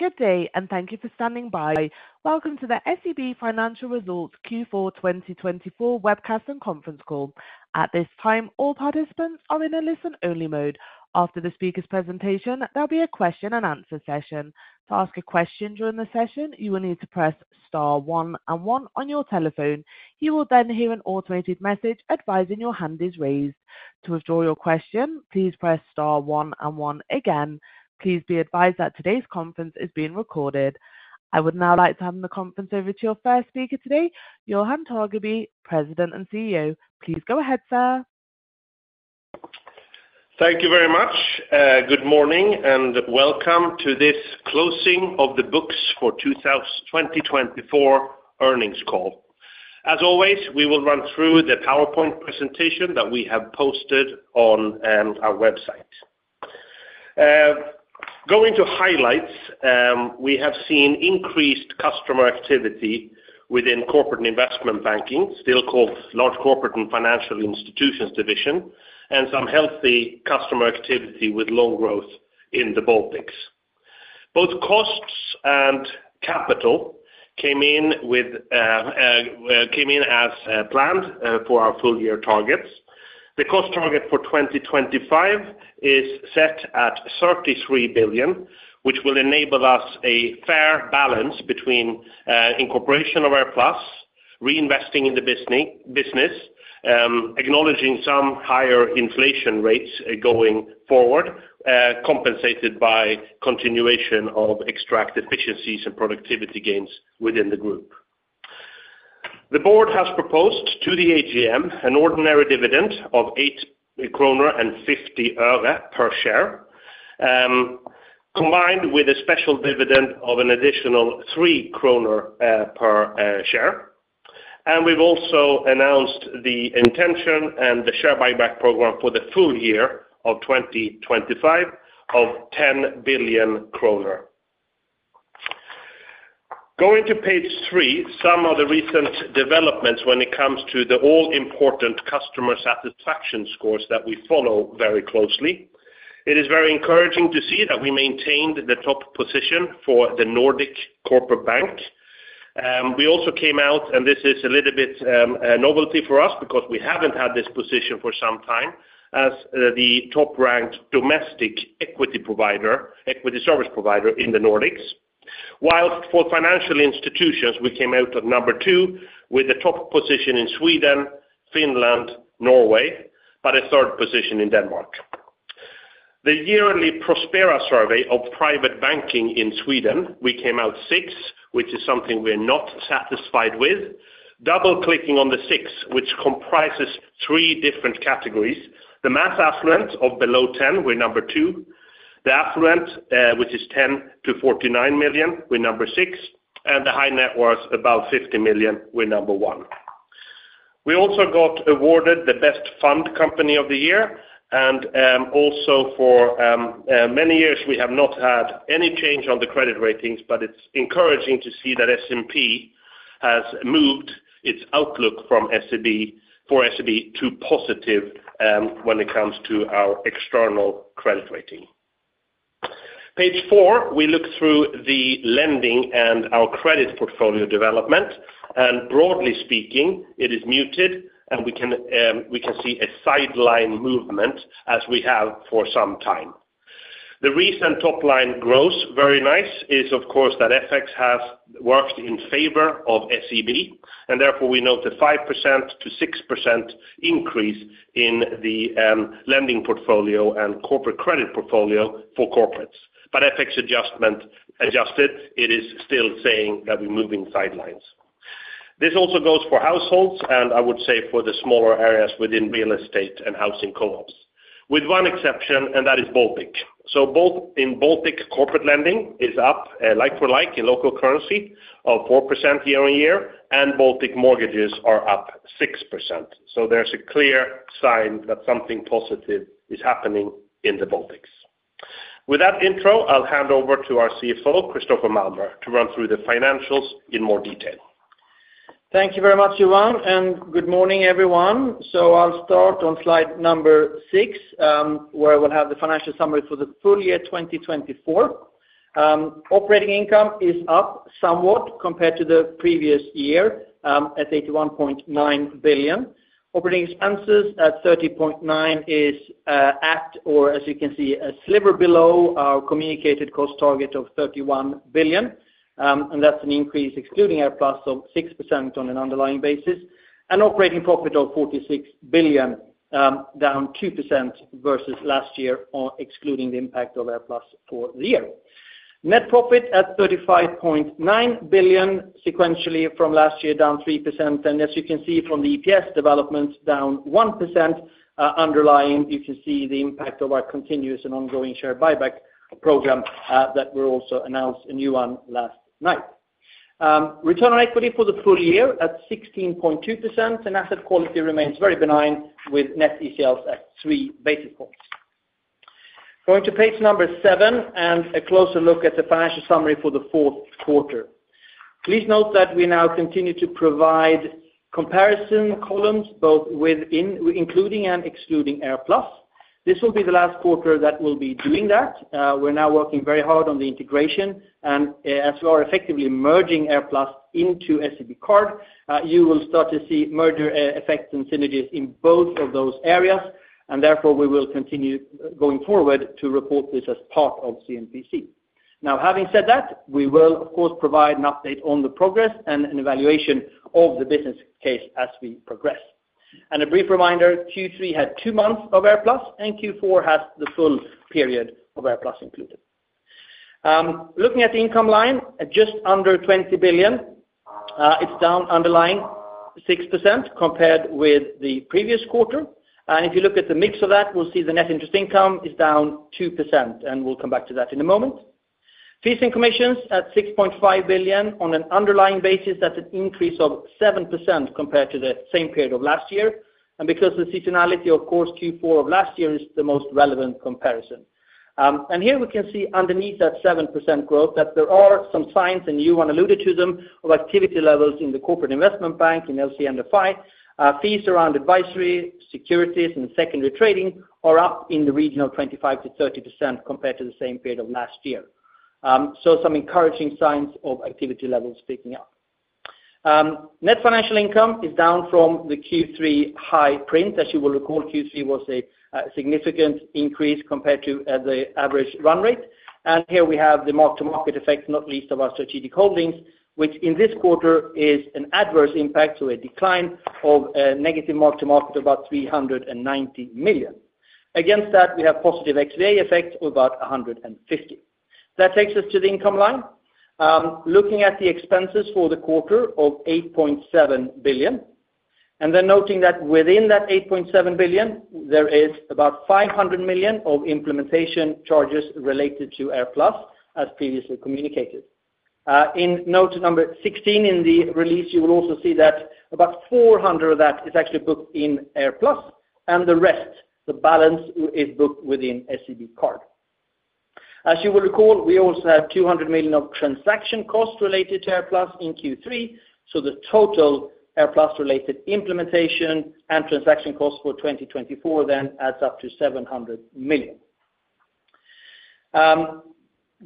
Good day, and thank you for standing by. Welcome to the SEB Financial Results Q4 2024 webcast and conference call. At this time, all participants are in a listen-only mode. After the speaker's presentation, there'll be a question-and-answer session. To ask a question during the session, you will need to press star one and one on your telephone. You will then hear an automated message advising your hand is raised. To withdraw your question, please press star one and one again. Please be advised that today's conference is being recorded. I would now like to hand the conference over to your first speaker today, Johan Torgeby, President and CEO. Please go ahead, sir. Thank you very much. Good morning, and welcome to this closing of the books for 2024 earnings call. As always, we will run through the PowerPoint presentation that we have posted on our website. Going to highlights, we have seen increased customer activity within corporate investment banking, still called Large Corporate and Financial Institutions division, and some healthy customer activity with loan growth in the Baltics. Both costs and capital came in as planned for our full-year targets. The cost target for 2025 is set at 33 billion, which will enable us a fair balance between incorporation of AirPlus, reinvesting in the business, acknowledging some higher inflation rates going forward, compensated by continuation of extract efficiencies and productivity gains within the group. The board has proposed to the AGM an ordinary dividend of SEK 8.50 per share, combined with a special dividend of an additional 3 kronor per share. And we've also announced the intention and the share buyback program for the full year of 2025 of SEK 10 billion. Going to page three, some of the recent developments when it comes to the all-important customer satisfaction scores that we follow very closely. It is very encouraging to see that we maintained the top position for the Nordic corporate bank. We also came out, and this is a little bit of a novelty for us because we haven't had this position for some time as the top-ranked domestic equity service provider in the Nordics. While for financial institutions, we came out at number two with a top position in Sweden, Finland, Norway, but a third position in Denmark. The yearly Prospera survey of Private Banking in Sweden, we came out six, which is something we're not satisfied with. Double-clicking on the six, which comprises three different categories. The Mass Affluent of below 10, we're number two. The Affluent, which is 10 million-49 million, we're number six. And the High Net Worth, above 50 million, we're number one. We also got awarded the best Fund Company of the Year. And also, for many years, we have not had any change on the credit ratings, but it's encouraging to see that S&P has moved its outlook for SEB to positive when it comes to our external credit rating. Page four, we look through the lending and our credit portfolio development. And broadly speaking, it is muted, and we can see a sideways movement as we have for some time. The recent top-line growth, very nice, is of course that FX has worked in favor of SEB, and therefore we note a 5%-6% increase in the lending portfolio and corporate credit portfolio for corporates. But FX adjusted, it is still saying that we're moving sideways. This also goes for households, and I would say for the smaller areas within real estate and housing co-ops, with one exception, and that is the Baltic. So in the Baltic, corporate lending is up like for like in local currency of 4% year-on-year, and Baltic mortgages are up 6%. So there's a clear sign that something positive is happening in the Baltics. With that intro, I'll hand over to our CFO, Christoffer Malmer, to run through the financials in more detail. Thank you very much, Johan, and good morning, everyone. So I'll start on slide number six, where we'll have the financial summary for the full year 2024. Operating income is up somewhat compared to the previous year at 81.9 billion. Operating expenses at 30.9 billion is at, or as you can see, a sliver below our communicated cost target of 31 billion. And that's an increase, excluding AirPlus, of 6% on an underlying basis. And operating profit of 46 billion, down 2% versus last year, excluding the impact of AirPlus for the year. Net profit at 35.9 billion, sequentially from last year, down 3%. And as you can see from the EPS development, down 1%. Underlying, you can see the impact of our continuous and ongoing share buyback program that we also announced a new one last night. Return on equity for the full year at 16.2%. Asset quality remains very benign with net ECLs at three basis points. Going to page number seven and a closer look at the financial summary for the fourth quarter. Please note that we now continue to provide comparison columns, both within, including and excluding AirPlus. This will be the last quarter that we'll be doing that. We're now working very hard on the integration. As we are effectively merging AirPlus into SEB Kort, you will start to see merger effects and synergies in both of those areas. Therefore, we will continue going forward to report this as part of C&PC. Now, having said that, we will, of course, provide an update on the progress and an evaluation of the business case as we progress. A brief reminder, Q3 had two months of AirPlus, and Q4 has the full period of AirPlus included. Looking at the income line, just under 20 billion. It's down underlying 6% compared with the previous quarter. And if you look at the mix of that, we'll see the net interest income is down 2%. And we'll come back to that in a moment. Fees and commissions at 6.5 billion on an underlying basis. That's an increase of 7% compared to the same period of last year. And because of the seasonality, of course, Q4 of last year is the most relevant comparison. And here we can see underneath that 7% growth that there are some signs, and you want to allude to them, of activity levels in the corporate investment bank in LC&FI. Fees around advisory, securities, and secondary trading are up in the region of 25%-30% compared to the same period of last year. So some encouraging signs of activity levels picking up. Net financial income is down from the Q3 high print. As you will recall, Q3 was a significant increase compared to the average run rate. And here we have the mark-to-market effect, not least of our strategic holdings, which in this quarter is an adverse impact to a decline of negative mark-to-market of about 390 million. Against that, we have positive XVA effect of about 150 million. That takes us to the income line. Looking at the expenses for the quarter of 8.7 billion. And then noting that within that 8.7 billion, there is about 500 million of implementation charges related to AirPlus, as previously communicated. In note number 16 in the release, you will also see that about 400 million of that is actually booked in AirPlus. And the rest, the balance, is booked within SEB Kort. As you will recall, we also have 200 million of transaction costs related to AirPlus in Q3. So the total AirPlus-related implementation and transaction costs for 2024 then adds up to 700 million.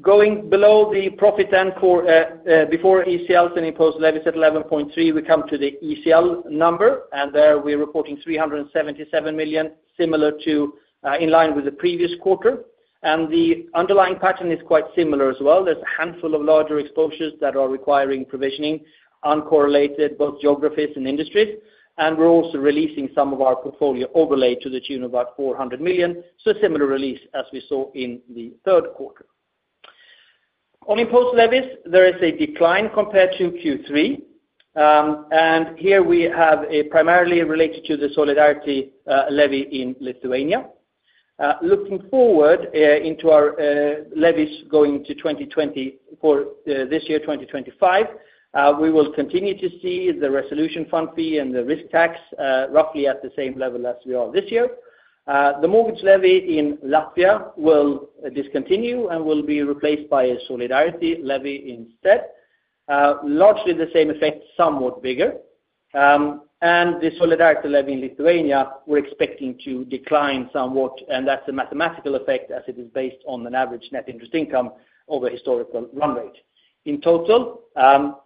Going below the profit before ECL, sitting post levy at 11.3 billion, we come to the ECL number. And there we are reporting 377 million, similar to, in line with, the previous quarter. And the underlying pattern is quite similar as well. There is a handful of larger exposures that are requiring provisioning, uncorrelated, both geographies and industries. And we are also releasing some of our portfolio overlay to the tune of about 400 million. So a similar release as we saw in the third quarter. On deposit levies, there is a decline compared to Q3. And here it is primarily related to the solidarity levy in Lithuania. Looking forward into our levies going into 2025, we will continue to see the resolution fund fee and the risk tax roughly at the same level as we are this year. The mortgage levy in Latvia will discontinue and will be replaced by a solidarity levy instead. Largely the same effect, somewhat bigger, and the solidarity levy in Lithuania, we're expecting to decline somewhat, and that's a mathematical effect as it is based on an average net interest income over historical run rate. In total,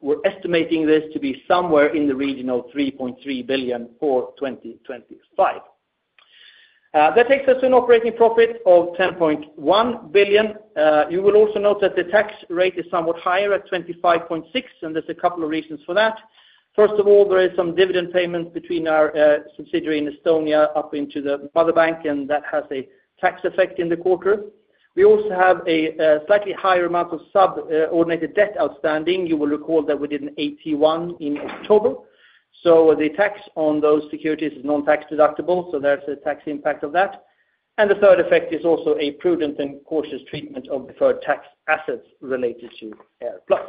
we're estimating this to be somewhere in the region of 3.3 billion for 2025. That takes us to an operating profit of 10.1 billion. You will also note that the tax rate is somewhat higher at 25.6%, and there's a couple of reasons for that. First of all, there is some dividend payment between our subsidiary in Estonia up into the mother bank, and that has a tax effect in the quarter. We also have a slightly higher amount of subordinated debt outstanding. You will recall that we did an AT1 in October. So the tax on those securities is non-tax deductible. So there's a tax impact of that. And the third effect is also a prudent and cautious treatment of deferred tax assets related to AirPlus.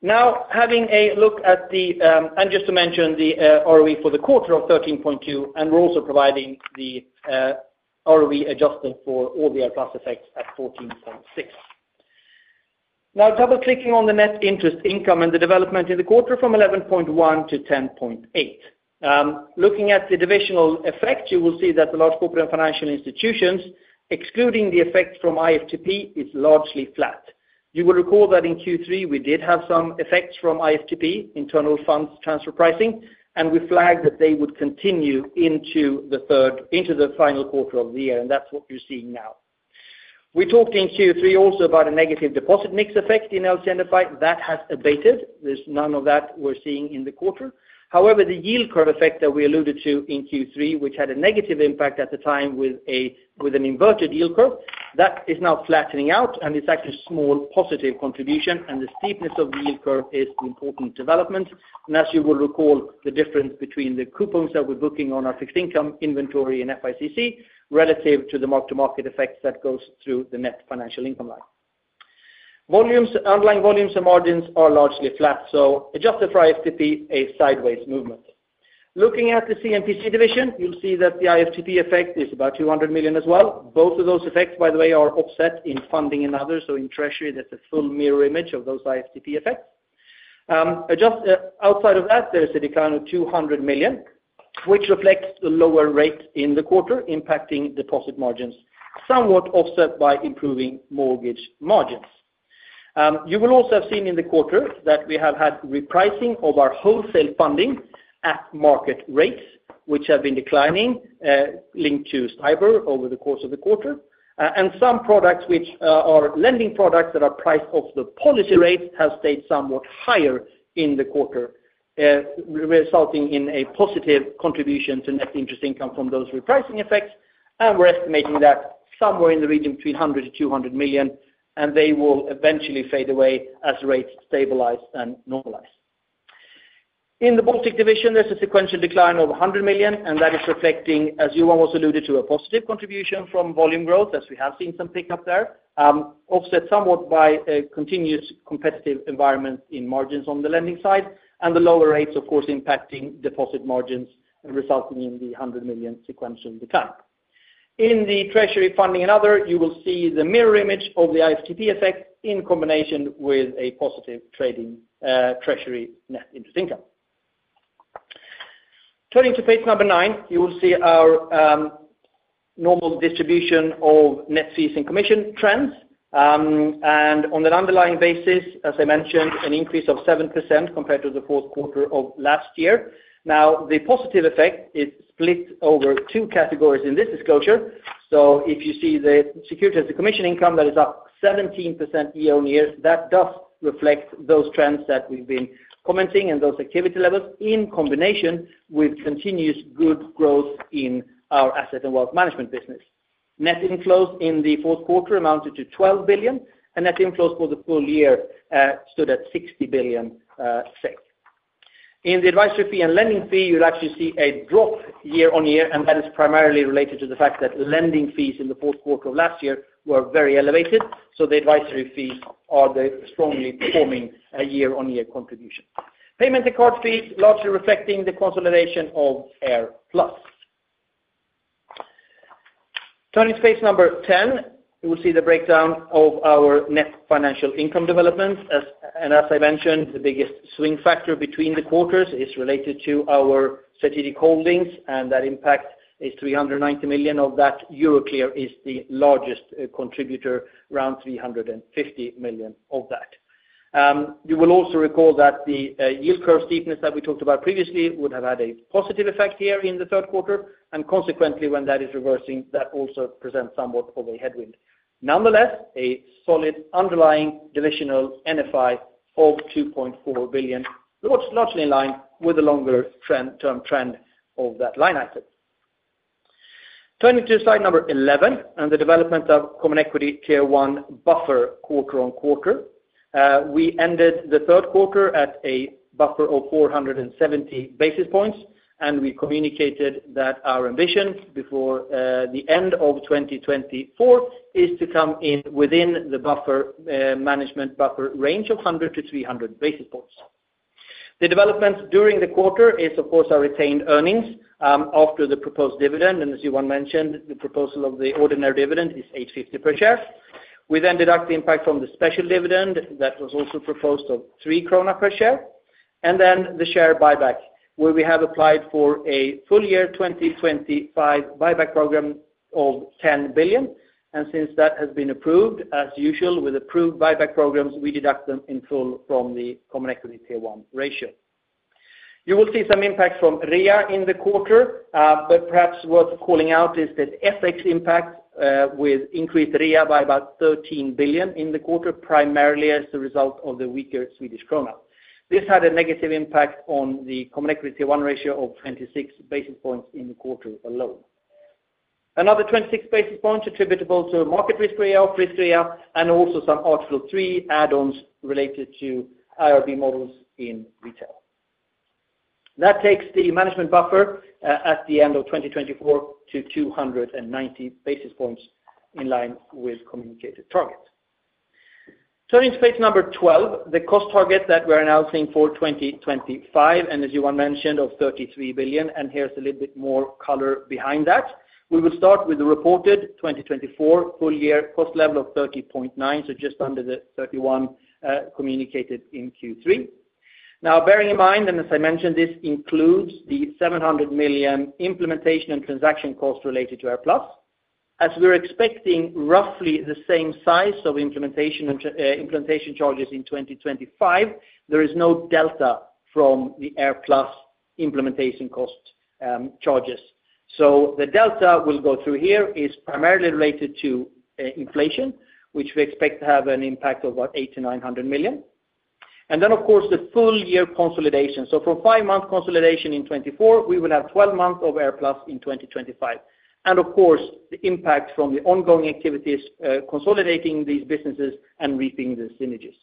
Now, having a look at the, and just to mention the ROE for the quarter of 13.2, and we're also providing the ROE adjusted for all the AirPlus effects at 14.6. Now, double-clicking on the net interest income and the development in the quarter from 11.1 to 10.8. Looking at the divisional effect, you will see that the Large Corporates and Financial Institutions, excluding the effect from IFTP, internal funds transfer pricing, and we flagged that they would continue into the final quarter of the year, and that's what you're seeing now. We talked in Q3 also about a negative deposit mix effect in LC&FI. That has abated. There's none of that we're seeing in the quarter. However, the yield curve effect that we alluded to in Q3, which had a negative impact at the time with an inverted yield curve, that is now flattening out, and it's actually a small positive contribution, and the steepness of the yield curve is an important development. As you will recall, the difference between the coupons that we're booking on our fixed income inventory in FICC relative to the mark-to-market effect that goes through the net financial income line. Volumes, underlying volumes and margins are largely flat. Adjusted for IFTP, a sideways movement. Looking at the C&PC division, you'll see that the IFTP effect is about 200 million as well. Both of those effects, by the way, are offset in funding and others. In treasury, that's a full mirror image of those IFTP effects. Outside of that, there's a decline of 200 million, which reflects the lower rate in the quarter, impacting deposit margins, somewhat offset by improving mortgage margins. You will also have seen in the quarter that we have had repricing of our wholesale funding at market rates, which have been declining, linked to STIBOR over the course of the quarter. Some products, which are lending products that are priced off the policy rates, have stayed somewhat higher in the quarter, resulting in a positive contribution to net interest income from those repricing effects. We're estimating that somewhere in the region between 100 million-200 million, and they will eventually fade away as rates stabilize and normalize. In the Baltic division, there's a sequential decline of 100 million, and that is reflecting, as Johan alluded to, a positive contribution from volume growth, as we have seen some pickup there, offset somewhat by a continuous competitive environment in margins on the lending side, and the lower rates, of course, impacting deposit margins, resulting in the 100 million sequential decline. In the treasury funding and other, you will see the mirror image of the IFTP effect in combination with a positive trading treasury net interest income. Turning to page number nine, you will see our normal distribution of net fees and commission trends, and on an underlying basis, as I mentioned, an increase of 7% compared to the fourth quarter of last year. Now, the positive effect is split over two categories in this disclosure, so if you see the securities and commission income, that is up 17% year-on-year. That does reflect those trends that we've been commenting and those activity levels in combination with continuous good growth in our Asset and Wealth Management business. Net inflows in the fourth quarter amounted to 12 billion, and net inflows for the full year stood at 60 billion. In the advisory fee and lending fee, you'll actually see a drop year on year, and that is primarily related to the fact that lending fees in the fourth quarter of last year were very elevated. The advisory fees are the strongly performing year-on-year contribution. Payment and card fees largely reflecting the consolidation of AirPlus. Turning to page number 10, you will see the breakdown of our net financial income development. And as I mentioned, the biggest swing factor between the quarters is related to our strategic holdings, and that impact is 390 million of that. Euroclear is the largest contributor, around 350 million of that. You will also recall that the yield curve steepness that we talked about previously would have had a positive effect here in the third quarter. And consequently, when that is reversing, that also presents somewhat of a headwind. Nonetheless, a solid underlying divisional NFI of 2.4 billion, largely in line with the longer-term trend of that line item. Turning to slide number 11 and the development of Common Equity Tier 1 buffer quarter on quarter. We ended the third quarter at a buffer of 470 basis points, and we communicated that our ambition before the end of 2024 is to come in within the management buffer range of 100 to 300 basis points. The development during the quarter is, of course, our retained earnings after the proposed dividend. As Johan mentioned, the proposal of the ordinary dividend is 8.50 per share. We then deduct the impact from the special dividend that was also proposed of 3 krona per share. Then the share buyback, where we have applied for a full year 2025 buyback program of 10 billion. Since that has been approved, as usual, with approved buyback programs, we deduct them in full from the Common Equity Tier 1 ratio. You will see some impact from REA in the quarter, but perhaps worth calling out is that FX impact with increased REA by about 13 billion in the quarter, primarily as a result of the weaker Swedish krona. This had a negative impact on the Common Equity Tier 1 ratio of 26 basis points in the quarter alone. Another 26 basis points attributable to market risk RWA and also some Basel III add-ons related to IRB models in retail. That takes the management buffer at the end of 2024 to 290 basis points in line with communicated target. Turning to page number 12, the cost target that we're announcing for 2025, and as Johan mentioned, of 33 billion. Here's a little bit more color behind that. We will start with the reported 2024 full year cost level of 30.9 billion, so just under the 31 billion communicated in Q3. Now, bearing in mind, and as I mentioned, this includes the 700 million implementation and transaction costs related to AirPlus. As we're expecting roughly the same size of implementation charges in 2025, there is no delta from the AirPlus implementation cost charges. So the delta we'll go through here is primarily related to inflation, which we expect to have an impact of about 800 million-900 million. And then, of course, the full year consolidation. So for five-month consolidation in 2024, we will have 12 months of AirPlus in 2025. And of course, the impact from the ongoing activities consolidating these businesses and reaping the synergies.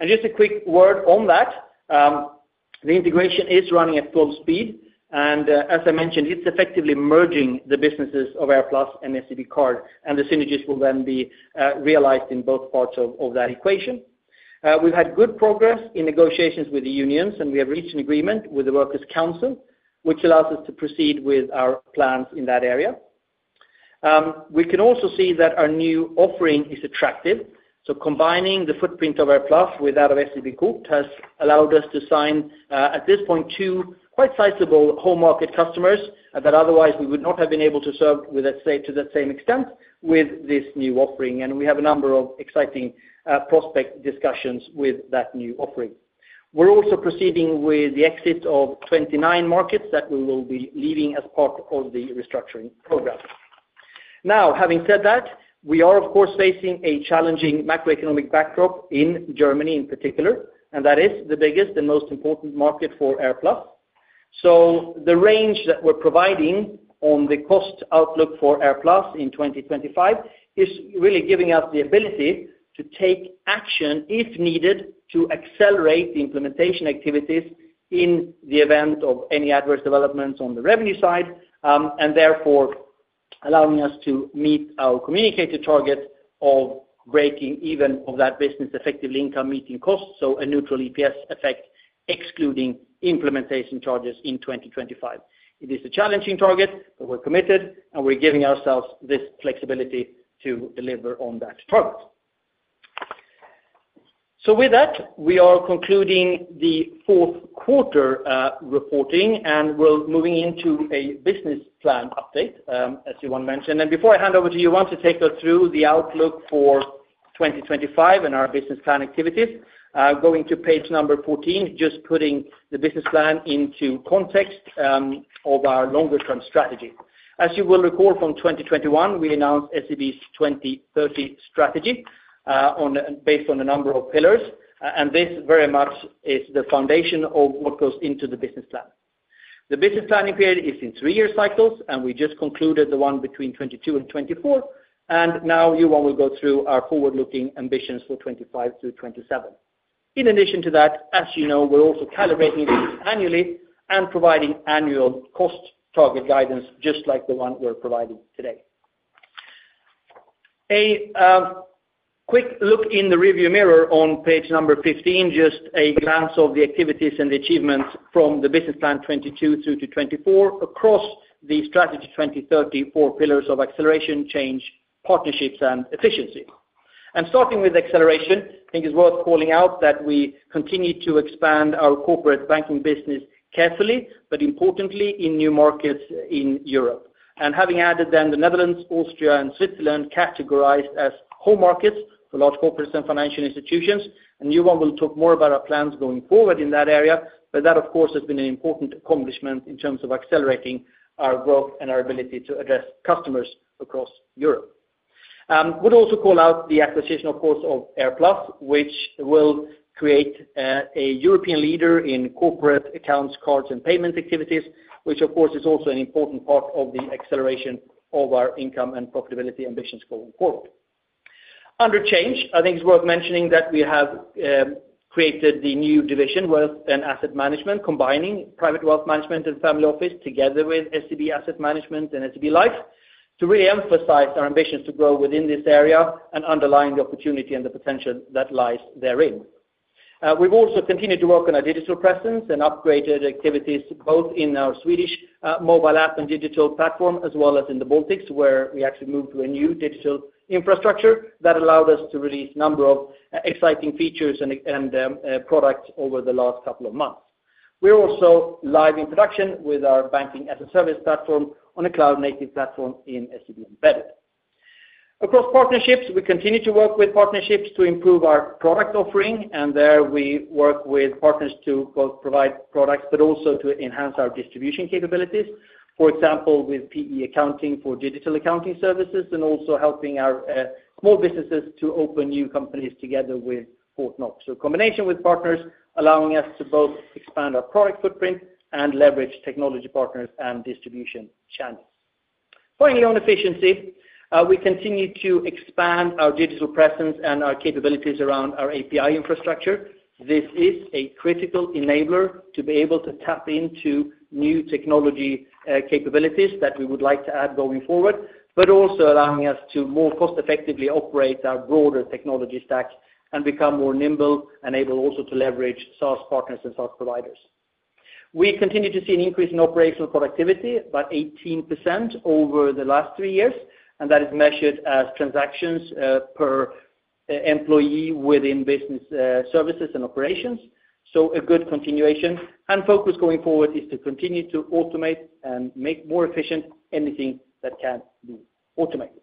And just a quick word on that. The integration is running at full speed. And as I mentioned, it's effectively merging the businesses of AirPlus and SEB Kort. The synergies will then be realized in both parts of that equation. We've had good progress in negotiations with the unions, and we have reached an agreement with the Works Council, which allows us to proceed with our plans in that area. We can also see that our new offering is attractive. Combining the footprint of AirPlus with that of SEB Kort has allowed us to sign, at this point, two quite sizable home market customers that otherwise we would not have been able to serve to that same extent with this new offering. We have a number of exciting prospect discussions with that new offering. We're also proceeding with the exit of 29 markets that we will be leaving as part of the restructuring program. Now, having said that, we are, of course, facing a challenging macroeconomic backdrop in Germany in particular, and that is the biggest and most important market for AirPlus. So the range that we're providing on the cost outlook for AirPlus in 2025 is really giving us the ability to take action, if needed, to accelerate the implementation activities in the event of any adverse developments on the revenue side, and therefore allowing us to meet our communicated target of breaking even of that business effective income meeting costs, so a neutral EPS effect excluding implementation charges in 2025. It is a challenging target, but we're committed, and we're giving ourselves this flexibility to deliver on that target. So with that, we are concluding the fourth quarter reporting and we're moving into a business plan update, as Johan mentioned. And before I hand over to Johan, to take us through the outlook for 2025 and our business plan activities, going to page number 14, just putting the business plan into context of our longer-term strategy. As you will recall, from 2021, we announced SEB's 2030 strategy based on a number of pillars, and this very much is the foundation of what goes into the business plan. The business planning period is in three-year cycles, and we just concluded the one between 2022 and 2024. And now, Johan will go through our forward-looking ambitions for 2025 to 2027. In addition to that, as you know, we're also calibrating these annually and providing annual cost target guidance, just like the one we're providing today. A quick look in the rearview mirror on page 15, just a glance at the activities and the achievements from the business plan 2022 through to 2024 across the Strategy 2030 four pillars of acceleration, change, partnerships, and efficiency, and starting with acceleration, I think it's worth calling out that we continue to expand our corporate banking business carefully, but importantly, in new markets in Europe. And having added the Netherlands, Austria, and Switzerland categorized as home markets for large corporates and financial institutions, and Johan will talk more about our plans going forward in that area, but that, of course, has been an important accomplishment in terms of accelerating our growth and our ability to address customers across Europe. We'll also call out the acquisition, of course, of AirPlus, which will create a European leader in corporate accounts, cards, and payment activities, which, of course, is also an important part of the acceleration of our income and profitability ambitions going forward. Under change, I think it's worth mentioning that we have created the new division, Wealth and Asset Management, combining Private Wealth Management and Family Office together with SEB Asset Management and SEB Life, to really emphasize our ambitions to grow within this area and underline the opportunity and the potential that lies therein. We've also continued to work on our digital presence and upgraded activities both in our Swedish mobile app and digital platform, as well as in the Baltics, where we actually moved to a new digital infrastructure that allowed us to release a number of exciting features and products over the last couple of months. We're also live in production with our banking as a service platform on a cloud-native platform in SEB Embedded. Across partnerships, we continue to work with partnerships to improve our product offering, and there we work with partners to both provide products but also to enhance our distribution capabilities, for example, with PE Accounting for digital accounting services and also helping our small businesses to open new companies together with Fortnox. So combination with partners allowing us to both expand our product footprint and leverage technology partners and distribution channels. Finally, on efficiency, we continue to expand our digital presence and our capabilities around our API infrastructure. This is a critical enabler to be able to tap into new technology capabilities that we would like to add going forward, but also allowing us to more cost-effectively operate our broader technology stack and become more nimble and able also to leverage SaaS partners and SaaS providers. We continue to see an increase in operational productivity, about 18% over the last three years, and that is measured as transactions per employee within business services and operations. So a good continuation, and focus going forward is to continue to automate and make more efficient anything that can be automated.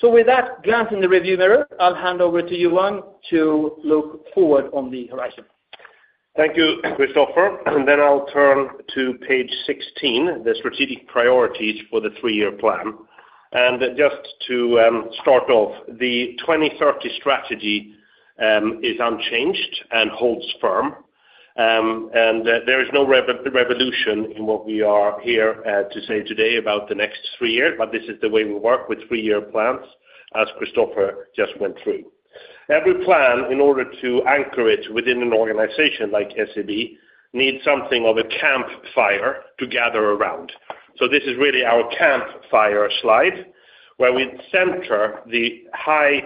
So with that, glancing in the rearview mirror, I'll hand over to Johan to look forward on the horizon. Thank you, Christoffer. Then I'll turn to page 16, the strategic priorities for the three-year plan. Just to start off, the 2030 strategy is unchanged and holds firm. There is no revolution in what we are here to say today about the next three years, but this is the way we work with three-year plans, as Christoffer just went through. Every plan, in order to anchor it within an organization like SEB, needs something of a campfire to gather around. This is really our campfire slide, where we center the high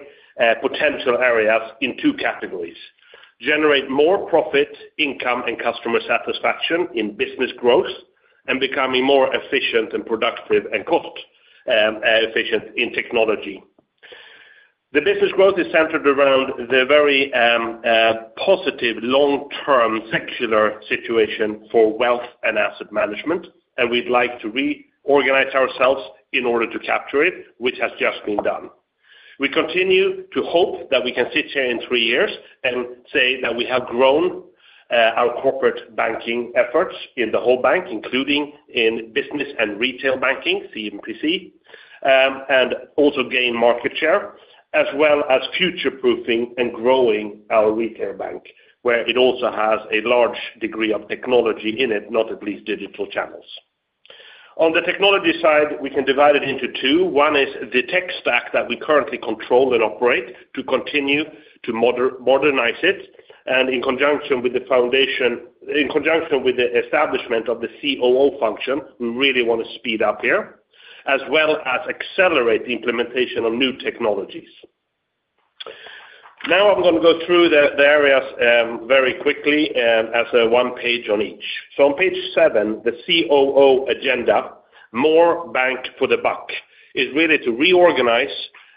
potential areas in two categories: generate more profit, income, and customer satisfaction in business growth, and becoming more efficient and productive and cost-efficient in technology. The business growth is centered around the very positive long-term secular situation for wealth and asset management, and we'd like to reorganize ourselves in order to capture it, which has just been done. We continue to hope that we can sit here in three years and say that we have grown our corporate banking efforts in the whole bank, including in Business and Retail Banking, C&PC, and also gain market share, as well as future-proofing and growing our retail bank, where it also has a large degree of technology in it, not at least digital channels. On the technology side, we can divide it into two. One is the tech stack that we currently control and operate to continue to modernize it, and in conjunction with the foundation, in conjunction with the establishment of the COO function, we really want to speed up here, as well as accelerate the implementation of new technologies. Now I'm going to go through the areas very quickly as one page on each. So on page seven, the COO agenda, more bank for the buck, is really to reorganize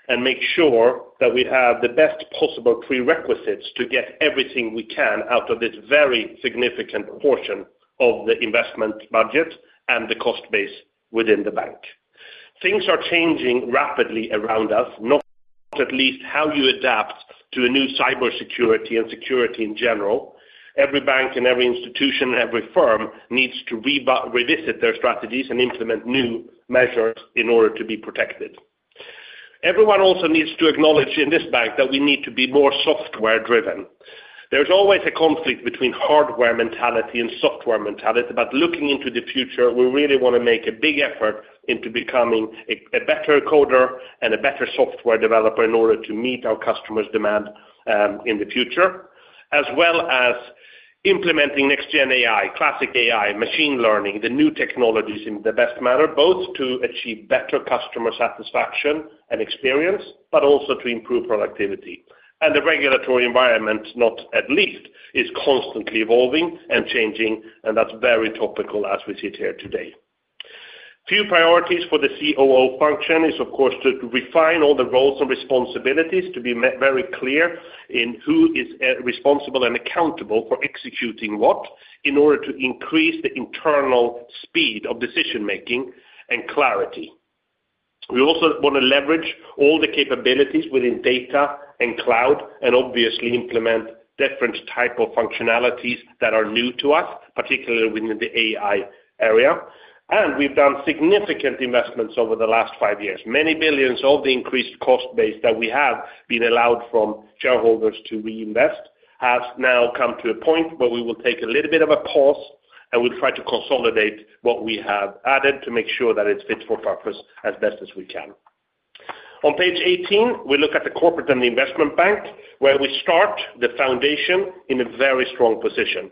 and make sure that we have the best possible prerequisites to get everything we can out of this very significant portion of the investment budget and the cost base within the bank. Things are changing rapidly around us, not at least how you adapt to a new cybersecurity and security in general. Every bank and every institution and every firm needs to revisit their strategies and implement new measures in order to be protected. Everyone also needs to acknowledge in this bank that we need to be more software-driven. There's always a conflict between hardware mentality and software mentality. But looking into the future, we really want to make a big effort into becoming a better coder and a better software developer in order to meet our customers' demand in the future, as well as implementing next-gen AI, classic AI, machine learning, the new technologies in the best manner, both to achieve better customer satisfaction and experience, but also to improve productivity. And the regulatory environment, not at least, is constantly evolving and changing, and that's very topical as we sit here today. Few priorities for the COO function is, of course, to refine all the roles and responsibilities, to be very clear in who is responsible and accountable for executing what, in order to increase the internal speed of decision-making and clarity. We also want to leverage all the capabilities within data and cloud, and obviously implement different types of functionalities that are new to us, particularly within the AI area, and we've done significant investments over the last five years. Many billions of the increased cost base that we have been allowed from shareholders to reinvest has now come to a point where we will take a little bit of a pause, and we'll try to consolidate what we have added to make sure that it fits for purpose as best as we can. On page 18, we look at the corporate and the investment bank, where we start the foundation in a very strong position.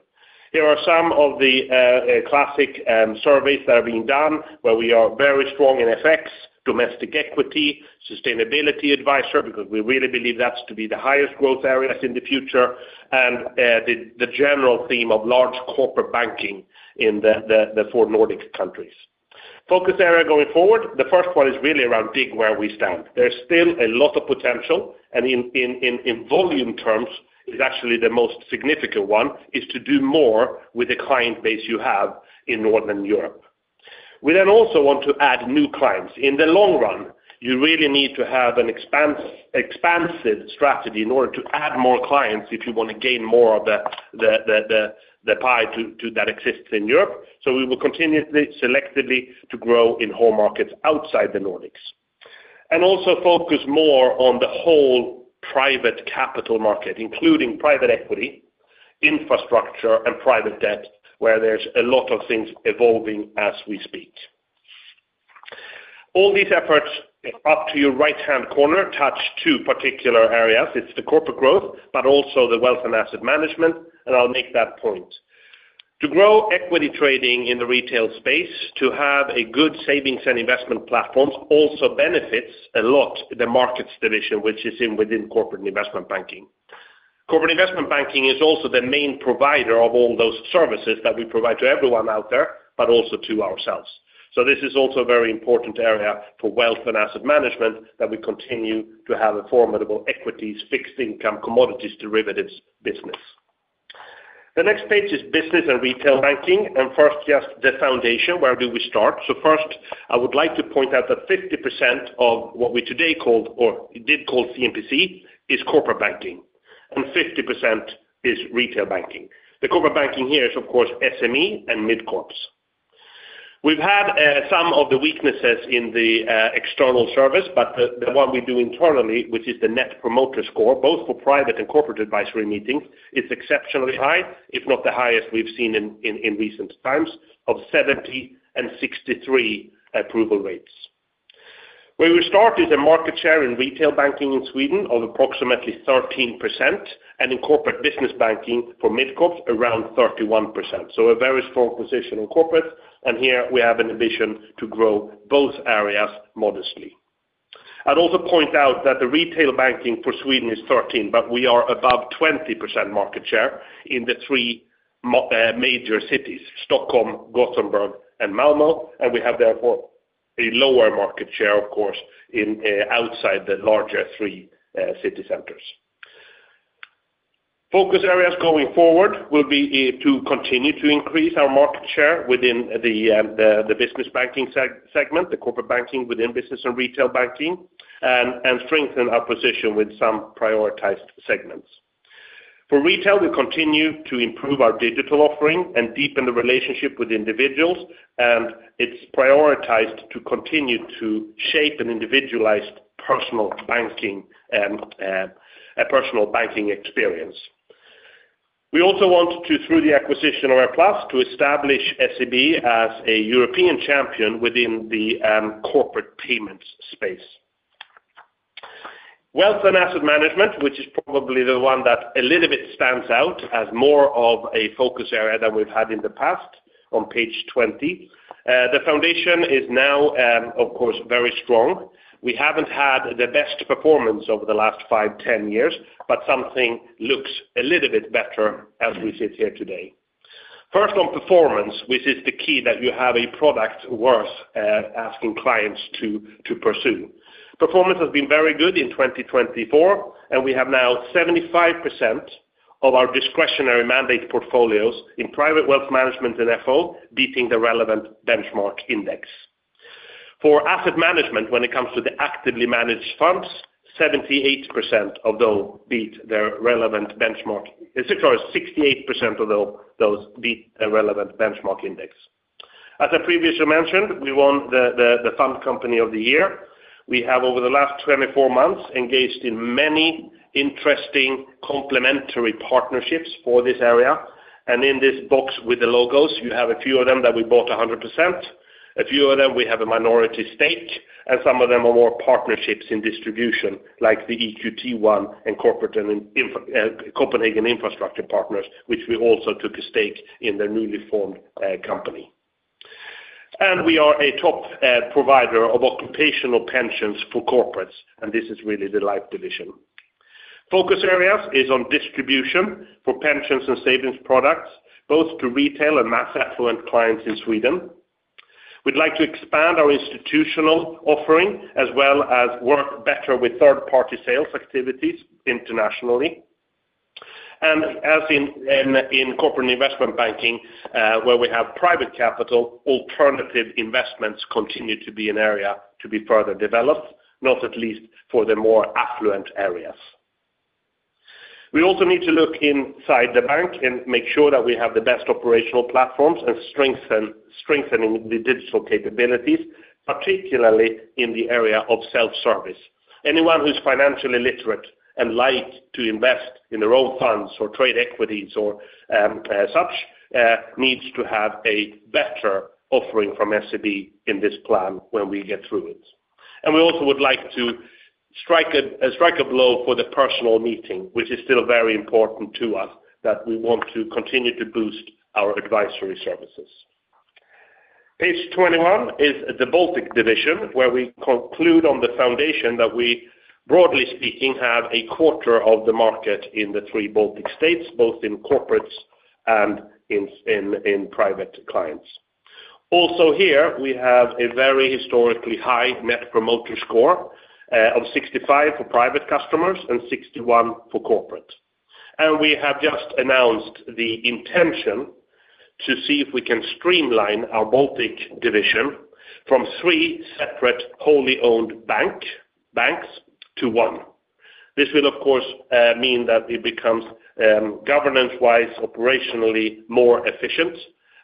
Here are some of the classic surveys that are being done, where we are very strong in FX, domestic equity, sustainability advisor, because we really believe that's to be the highest growth areas in the future, and the general theme of large corporate banking in the four Nordic countries. Focus area going forward, the first one is really around being where we stand. There's still a lot of potential, and in volume terms, it's actually the most significant one is to do more with the client base you have in Northern Europe. We then also want to add new clients. In the long run, you really need to have an expansive strategy in order to add more clients if you want to gain more of the pie that exists in Europe, so we will continue to selectively grow in home markets outside the Nordics. And also focus more on the whole private capital market, including private equity, infrastructure, and private debt, where there's a lot of things evolving as we speak. All these efforts up to your right-hand corner touch two particular areas. It's the corporate growth, but also the Wealth and Asset Management, and I'll make that point. To grow equity trading in the retail space, to have good savings and investment platforms also benefits a lot the Markets division, which is within corporate investment banking. Corporate investment banking is also the main provider of all those services that we provide to everyone out there, but also to ourselves. So this is also a very important area for wealth and asset management that we continue to have a formidable equities, fixed income, commodities, derivatives business. The next page is Business and Retail Banking, and first, just the foundation, where do we start? So first, I would like to point out that 50% of what we today called, or did call C&PC, is corporate banking, and 50% is retail banking. The corporate banking here is, of course, SME and mid-corps. We've had some of the weaknesses in the external service, but the one we do internally, which is the Net Promoter Score, both for private and corporate advisory meetings, is exceptionally high, if not the highest we've seen in recent times, of 70 and 63 approval rates. Where we start is a market share in retail banking in Sweden of approximately 13%, and in corporate business banking for mid-corps, around 31%. So a very strong position in corporates, and here we have an ambition to grow both areas modestly. I'd also point out that the retail banking for Sweden is 13%, but we are above 20% market share in the three major cities, Stockholm, Gothenburg, and Malmö, and we have therefore a lower market share, of course, outside the larger three city centers. Focus areas going forward will be to continue to increase our market share within the business banking segment, the corporate banking within Business and Retail Banking, and strengthen our position with some prioritized segments. For retail, we continue to improve our digital offering and deepen the relationship with individuals, and it's prioritized to continue to shape an individualized personal banking experience. We also want to, through the acquisition of AirPlus, establish SEB as a European champion within the corporate payments space. Wealth and asset management, which is probably the one that a little bit stands out as more of a focus area than we've had in the past, on page 20, the foundation is now, of course, very strong. We haven't had the best performance over the last five, 10 years, but something looks a little bit better as we sit here today. First, on performance, which is the key that you have a product worth asking clients to pursue. Performance has been very good in 2024, and we have now 75% of our discretionary mandate portfolios in private wealth management and FO beating the relevant benchmark index. For asset management, when it comes to the actively managed funds, 78% of those beat their relevant benchmark, sorry, 68% of those beat their relevant benchmark index. As I previously mentioned, we won the Fund Company of the Year. We have, over the last 24 months, engaged in many interesting complementary partnerships for this area, and in this box with the logos, you have a few of them that we bought 100%, a few of them we have a minority stake, and some of them are more partnerships in distribution, like the EQT and Copenhagen Infrastructure Partners, which we also took a stake in their newly formed company. And we are a top provider of occupational pensions for corporates, and this is really the Life division. Focus area is on distribution for pensions and savings products, both to retail and Mass Affluent clients in Sweden. We'd like to expand our institutional offering, as well as work better with third-party sales activities internationally. As in corporate investment banking, where we have private capital, alternative investments continue to be an area to be further developed, not least for the more Affluent areas. We also need to look inside the bank and make sure that we have the best operational platforms and strengthen the digital capabilities, particularly in the area of self-service. Anyone who's financially literate and likes to invest in their own funds or trade equities or such needs to have a better offering from SEB in this plan when we get through it. We also would like to strike a blow for the personal meeting, which is still very important to us, that we want to continue to boost our advisory services. Page 21 is the Baltic division, where we conclude on the foundation that we, broadly speaking, have a quarter of the market in the three Baltic states, both in corporates and in private clients. Also here, we have a very historically high Net Promoter Score of 65 for private customers and 61 for corporate. And we have just announced the intention to see if we can streamline our Baltic division from three separate wholly owned banks to one. This will, of course, mean that it becomes governance-wise, operationally more efficient,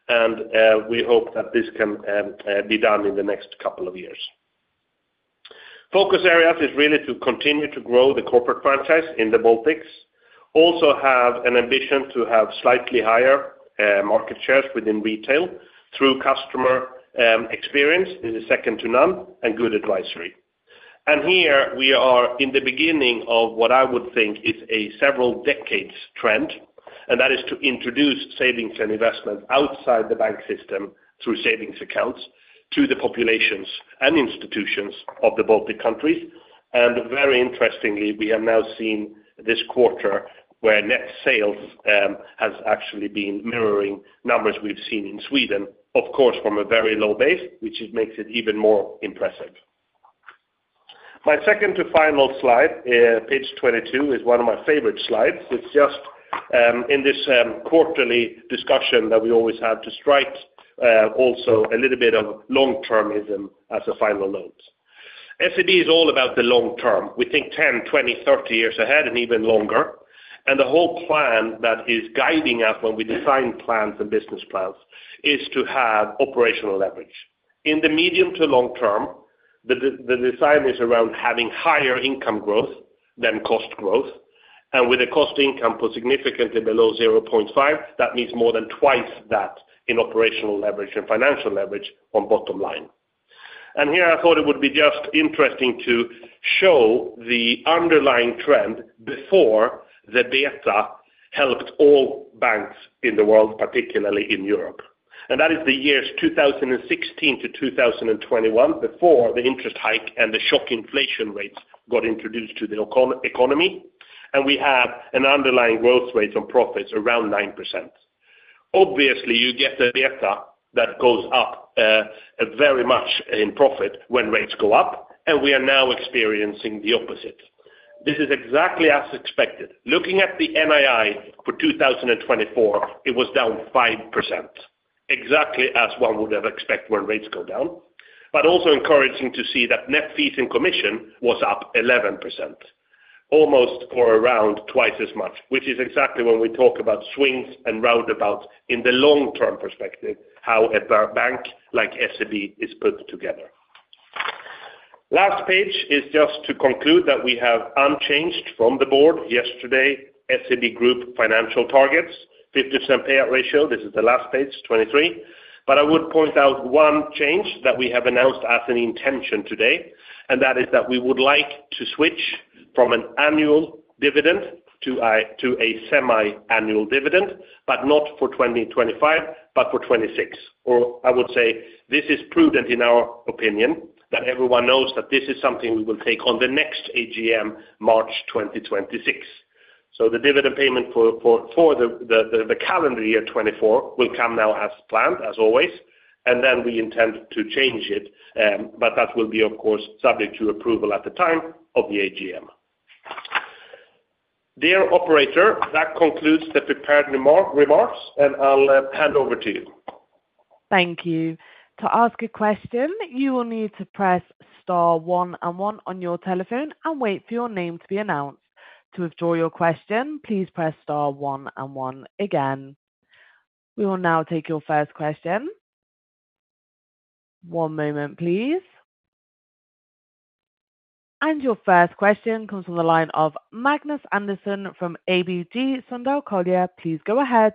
and we hope that this can be done in the next couple of years. Focus area is really to continue to grow the corporate franchise in the Baltics. Also have an ambition to have slightly higher market shares within retail through customer experience in the second to none and good advisory. Here we are in the beginning of what I would think is a several decades trend, and that is to introduce savings and investment outside the bank system through savings accounts to the populations and institutions of the Baltic countries. Very interestingly, we have now seen this quarter where net sales has actually been mirroring numbers we've seen in Sweden, of course, from a very low base, which makes it even more impressive. My second to final slide, page 22, is one of my favorite slides. It's just in this quarterly discussion that we always have to strike also a little bit of long-termism as a final note. SEB is all about the long term. We think 10, 20, 30 years ahead and even longer. The whole plan that is guiding us when we design plans and business plans is to have operational leverage. In the medium to long term, the design is around having higher income growth than cost growth. And with a cost/income ratio significantly below 0.5, that means more than twice that in operational leverage and financial leverage on bottom line. And here I thought it would be just interesting to show the underlying trend before the headwinds hit all banks in the world, particularly in Europe. And that is the years 2016 to 2021 before the interest hike and the shocking inflation rates got introduced to the economy, and we have an underlying growth rate on profits around 9%. Obviously, you get the data that goes up very much in profit when rates go up, and we are now experiencing the opposite. This is exactly as expected. Looking at the NII for 2024, it was down 5%, exactly as one would have expected when rates go down. But also encouraging to see that net fees and commission was up 11%, almost or around twice as much, which is exactly when we talk about swings and roundabouts in the long-term perspective, how a bank like SEB is put together. Last page is just to conclude that we have unchanged from the board yesterday, SEB Group financial targets, 50% payout ratio. This is the last page, 23. But I would point out one change that we have announced as an intention today, and that is that we would like to switch from an annual dividend to a semi-annual dividend, but not for 2025, but for 2026. Or I would say this is prudent in our opinion that everyone knows that this is something we will take on the next AGM, March 2026. So the dividend payment for the calendar year 2024 will come now as planned, as always, and then we intend to change it, but that will be, of course, subject to approval at the time of the AGM. Dear operator, that concludes the prepared remarks, and I'll hand over to you. Thank you. To ask a question, you will need to press star one and one on your telephone and wait for your name to be announced. To withdraw your question, please press star one and one again. We will now take your first question. One moment, please. And your first question comes from the line of Magnus Andersson from ABG Sundal Collier. Please go ahead.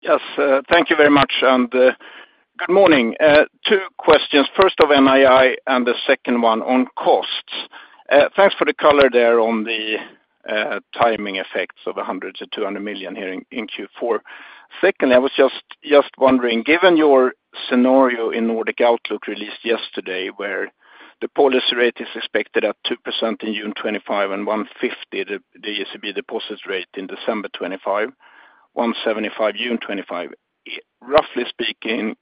Yes, thank you very much, and good morning. Two questions. First of NII and the second one on costs. Thanks for the color there on the timing effects of 100 million-200 million here in Q4. Secondly, I was just wondering, given your scenario in Nordic Outlook released yesterday, where the policy rate is expected at 2% in June 2025 and 1.50, the ECB deposit rate in December 2025, 1.75 June 2025, roughly speaking,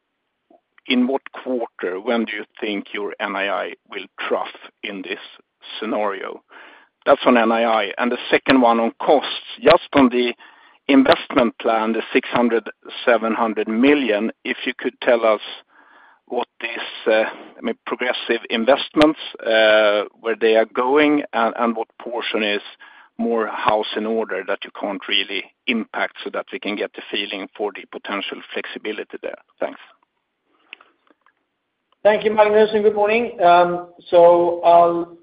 in what quarter, when do you think your NII will trough in this scenario? That's on NII. And the second one on costs, just on the investment plan, the 600 million-700 million, if you could tell us what these progressive investments, where they are going, and what portion is more house in order that you can't really impact so that we can get the feeling for the potential flexibility there. Thanks. Thank you, Magnus. And good morning. So I'll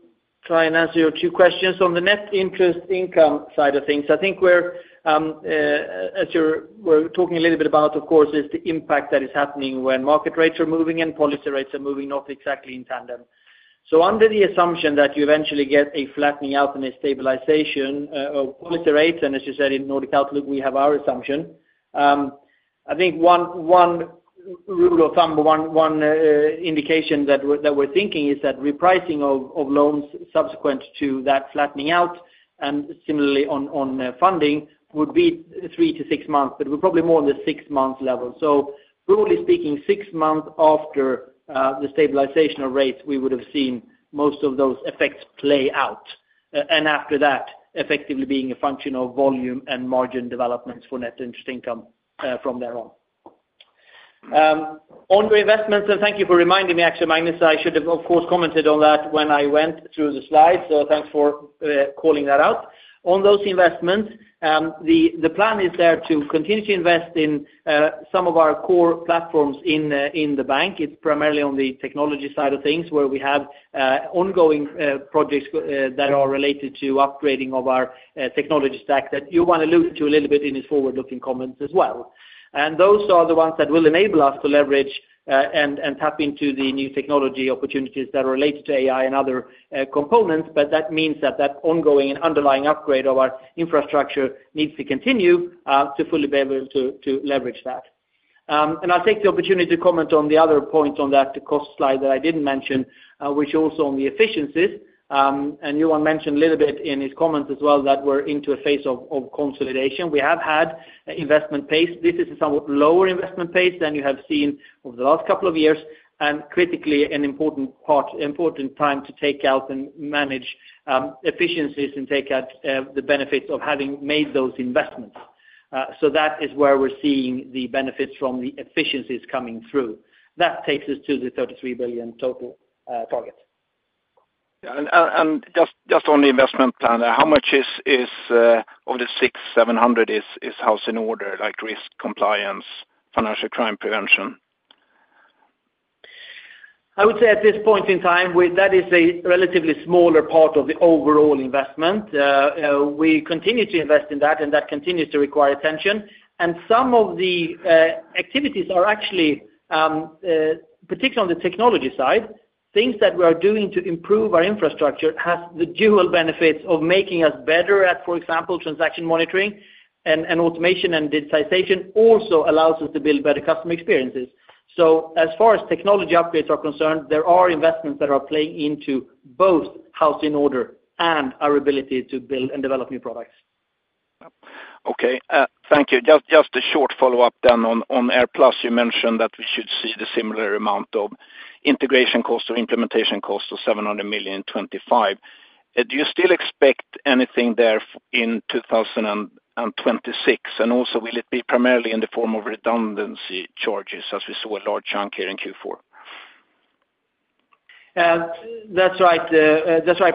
try and answer your two questions on the net interest income side of things. I think we're talking a little bit about, of course, is the impact that is happening when market rates are moving and policy rates are moving not exactly in tandem. So under the assumption that you eventually get a flattening out and a stabilization of policy rates, and as you said in Nordic Outlook, we have our assumption. I think one rule of thumb, one indication that we're thinking is that repricing of loans subsequent to that flattening out and similarly on funding would be three to six months, but we're probably more on the six-month level. So broadly speaking, six months after the stabilization of rates, we would have seen most of those effects play out. And after that, effectively being a function of volume and margin developments for net interest income from there on. On the investments, and thank you for reminding me, actually, Magnus, I should have, of course, commented on that when I went through the slides, so thanks for calling that out. On those investments, the plan is there to continue to invest in some of our core platforms in the bank. It's primarily on the technology side of things where we have ongoing projects that are related to upgrading of our technology stack that you want to allude to a little bit in his forward-looking comments as well, and those are the ones that will enable us to leverage and tap into the new technology opportunities that are related to AI and other components, but that means that that ongoing and underlying upgrade of our infrastructure needs to continue to fully be able to leverage that. I'll take the opportunity to comment on the other point on that cost slide that I didn't mention, which also on the efficiencies. You mentioned a little bit in his comments as well that we're into a phase of consolidation. We have had investment pace. This is a somewhat lower investment pace than you have seen over the last couple of years, and critically, an important time to take out and manage efficiencies and take out the benefits of having made those investments. So that is where we're seeing the benefits from the efficiencies coming through. That takes us to the 33 billion total target. Yeah. Just on the investment plan, how much is of the 6,700 is house in order, like risk compliance, financial crime prevention? I would say at this point in time, that is a relatively smaller part of the overall investment. We continue to invest in that, and that continues to require attention. And some of the activities are actually, particularly on the technology side, things that we are doing to improve our infrastructure has the dual benefits of making us better at, for example, transaction monitoring and automation and digitization also allows us to build better customer experiences. So as far as technology upgrades are concerned, there are investments that are playing into both house in order and our ability to build and develop new products. Okay. Thank you. Just a short follow-up then on AirPlus. You mentioned that we should see the similar amount of integration cost or implementation cost of 700 million in 2025. Do you still expect anything there in 2026? And also, will it be primarily in the form of redundancy charges as we saw a large chunk here in Q4? That's right,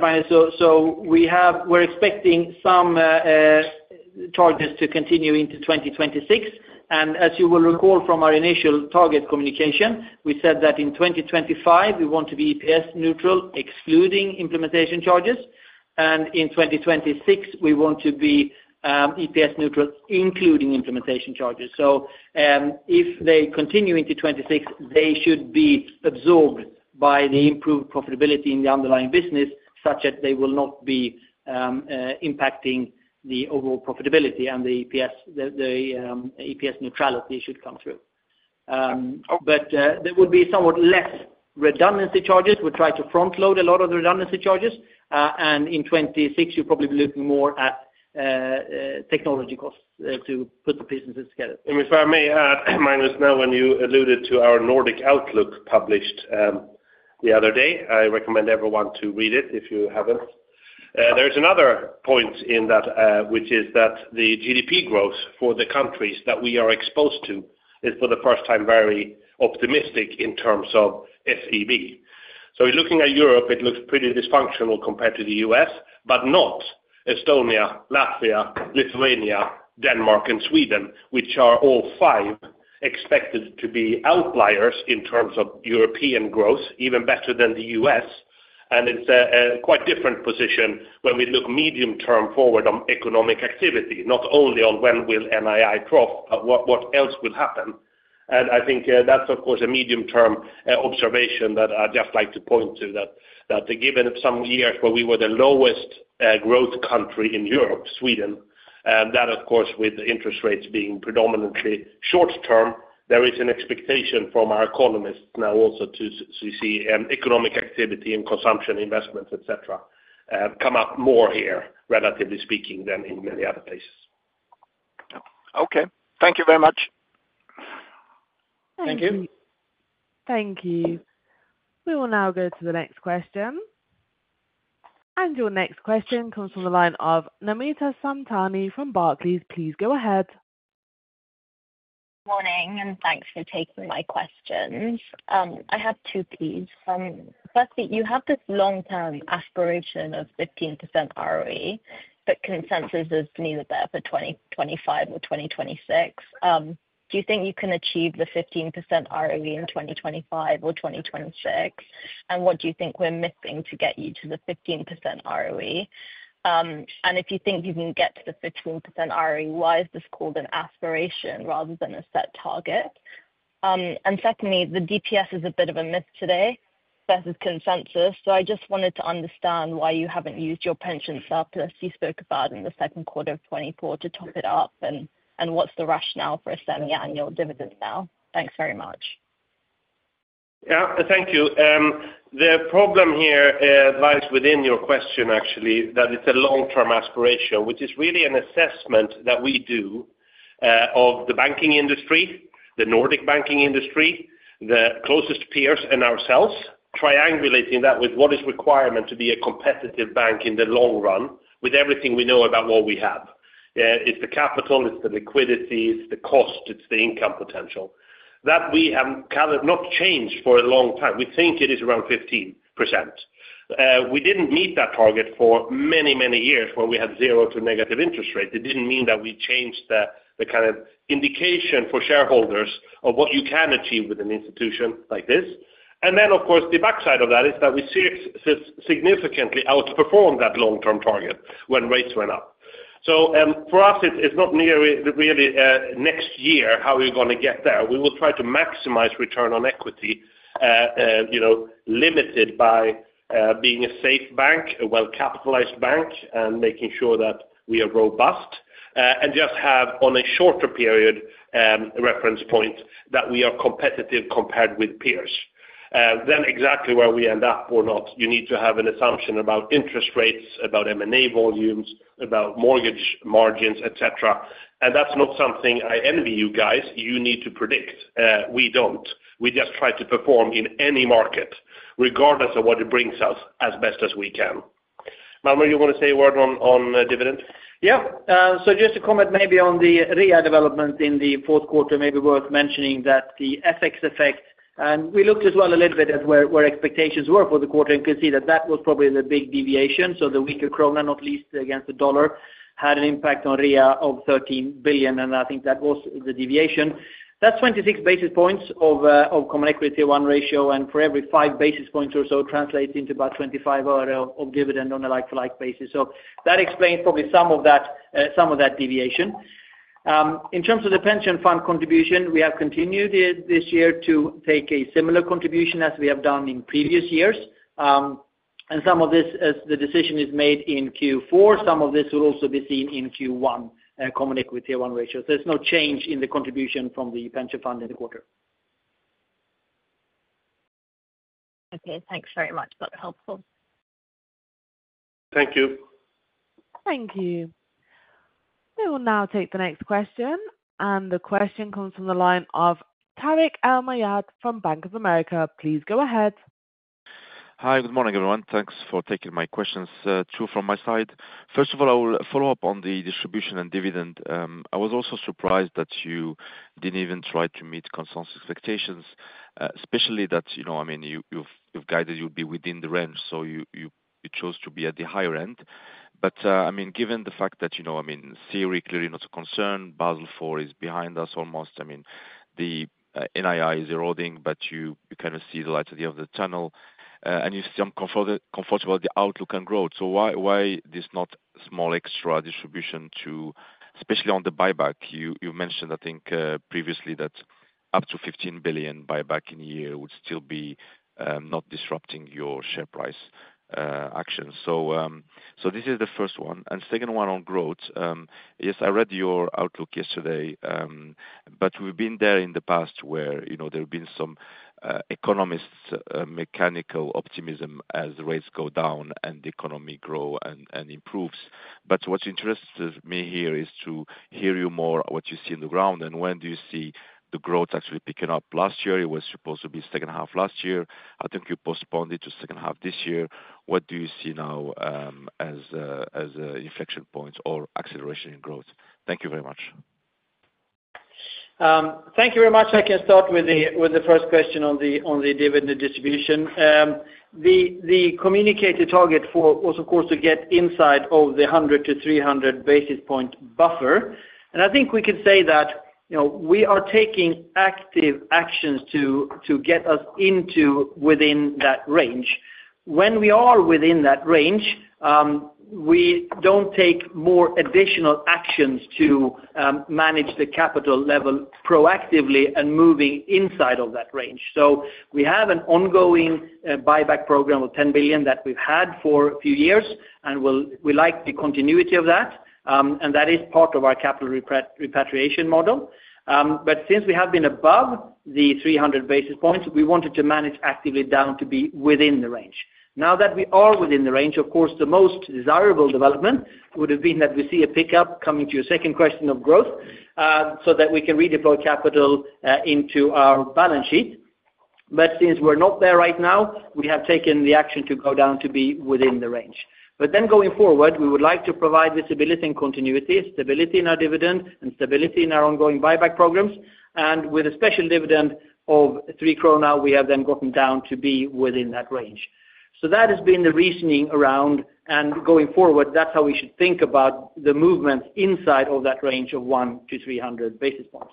Magnus. So we're expecting some charges to continue into 2026. And as you will recall from our initial target communication, we said that in 2025, we want to be EPS neutral, excluding implementation charges. And in 2026, we want to be EPS neutral, including implementation charges. So if they continue into 2026, they should be absorbed by the improved profitability in the underlying business, such that they will not be impacting the overall profitability and the EPS neutrality should come through. But there would be somewhat less redundancy charges. We'll try to front-load a lot of the redundancy charges. And in 2026, you'll probably be looking more at technology costs to put the businesses together. And if I may add, Magnus, now when you alluded to our Nordic Outlook published the other day, I recommend everyone to read it if you haven't. There's another point in that, which is that the GDP growth for the countries that we are exposed to is for the first time very optimistic in terms of SEB, so looking at Europe, it looks pretty dysfunctional compared to the U.S., but not Estonia, Latvia, Lithuania, Denmark, and Sweden, which are all five expected to be outliers in terms of European growth, even better than the U.S., and it's a quite different position when we look medium term forward on economic activity, not only on when will NII trough, but what else will happen. I think that's, of course, a medium term observation that I'd just like to point to, that given some years where we were the lowest growth country in Europe, Sweden, and that, of course, with interest rates being predominantly short term, there is an expectation from our economists now also to see economic activity and consumption investments, etc., come up more here, relatively speaking, than in many other places. Okay. Thank you very much. Thank you. Thank you. We will now go to the next question. And your next question comes from the line of Namita Samtani from Barclays. Please go ahead. Good morning, and thanks for taking my questions. I have two pieces. Firstly, you have this long-term aspiration of 15% ROE, but consensus is neither there for 2025 or 2026. Do you think you can achieve the 15% ROE in 2025 or 2026? And what do you think we're missing to get you to the 15% ROE? And if you think you can get to the 15% ROE, why is this called an aspiration rather than a set target? And secondly, the DPS is a bit of a myth today versus consensus. So I just wanted to understand why you haven't used your pension surplus you spoke about in the second quarter of 2024 to top it up, and what's the rationale for a semi-annual dividend now? Thanks very much. Yeah, thank you. The problem here lies within your question, actually, that it's a long-term aspiration, which is really an assessment that we do of the banking industry, the Nordic banking industry, the closest peers, and ourselves, triangulating that with what is required to be a competitive bank in the long run with everything we know about what we have. It's the capital, it's the liquidity, it's the cost, it's the income potential. That we have not changed for a long time. We think it is around 15%. We didn't meet that target for many, many years when we had zero to negative interest rates. It didn't mean that we changed the kind of indication for shareholders of what you can achieve with an institution like this. And then, of course, the backside of that is that we significantly outperformed that long-term target when rates went up. So for us, it's not nearly really next year how we're going to get there. We will try to maximize return on equity, limited by being a safe bank, a well-capitalized bank, and making sure that we are robust, and just have on a shorter period reference point that we are competitive compared with peers. Then exactly where we end up or not, you need to have an assumption about interest rates, about M&A volumes, about mortgage margins, etc. And that's not something I envy you guys. You need to predict. We don't. We just try to perform in any market, regardless of what it brings us, as best as we can. Magnus, you want to say a word on dividend? Yeah. So just to comment maybe on the NII development in the fourth quarter, maybe worth mentioning that the FX effect, and we looked as well a little bit at where expectations were for the quarter, and you can see that that was probably the big deviation. So the weaker krona, not least against the dollar, had an impact on NII of 13 billion, and I think that was the deviation. That's 26 basis points of Common Equity Tier 1 ratio, and for every five basis points or so, it translates into about 25% of dividend on a like-for-like basis. So that explains probably some of that deviation. In terms of the pension fund contribution, we have continued this year to take a similar contribution as we have done in previous years. And some of this, as the decision is made in Q4, some of this will also be seen in Q1, Common Equity Tier 1 ratio. So there's no change in the contribution from the pension fund in the quarter. Okay. Thanks very much. That's helpful. Thank you. Thank you. We will now take the next question. And the question comes from the line of Tarik El Mejjad from Bank of America. Please go ahead. Hi, good morning, everyone. Thanks for taking my questions. Two from my side. First of all, I will follow up on the distribution and dividend. I was also surprised that you didn't even try to meet consensus expectations, especially that, I mean, you've guided you'll be within the range, so you chose to be at the higher end. But, I mean, given the fact that, I mean, CET1 clearly not a concern, Basel IV is behind us almost. I mean, the NII is eroding, but you kind of see the light at the end of the tunnel, and you seem comfortable with the outlook and growth. So why this not small extra distribution to, especially on the buyback? You mentioned, I think, previously that up to 15 billion buyback in a year would still be not disrupting your share price action. So this is the first one. And second one on growth, yes, I read your outlook yesterday, but we've been there in the past where there have been some economists' mechanical optimism as rates go down and the economy grows and improves. But what interests me here is to hear you more what you see on the ground, and when do you see the growth actually picking up? Last year, it was supposed to be second half last year. I think you postponed it to second half this year. What do you see now as inflection points or acceleration in growth? Thank you very much. Thank you very much. I can start with the first question on the dividend distribution. The communicated target was, of course, to get inside of the 100 to 300 basis points buffer. And I think we can say that we are taking active actions to get us within that range. When we are within that range, we don't take more additional actions to manage the capital level proactively and moving inside of that range. So we have an ongoing buyback program of 10 billion that we've had for a few years, and we like the continuity of that. And that is part of our capital repatriation model. But since we have been above the 300 basis points, we wanted to manage actively down to be within the range. Now that we are within the range, of course, the most desirable development would have been that we see a pickup coming to your second question of growth so that we can redeploy capital into our balance sheet. But since we're not there right now, we have taken the action to go down to be within the range. But then going forward, we would like to provide visibility and continuity, stability in our dividend, and stability in our ongoing buyback programs. And with a special dividend of 3 krona, we have then gotten down to be within that range. So that has been the reasoning around, and going forward, that's how we should think about the movement inside of that range of 1 to 300 basis points.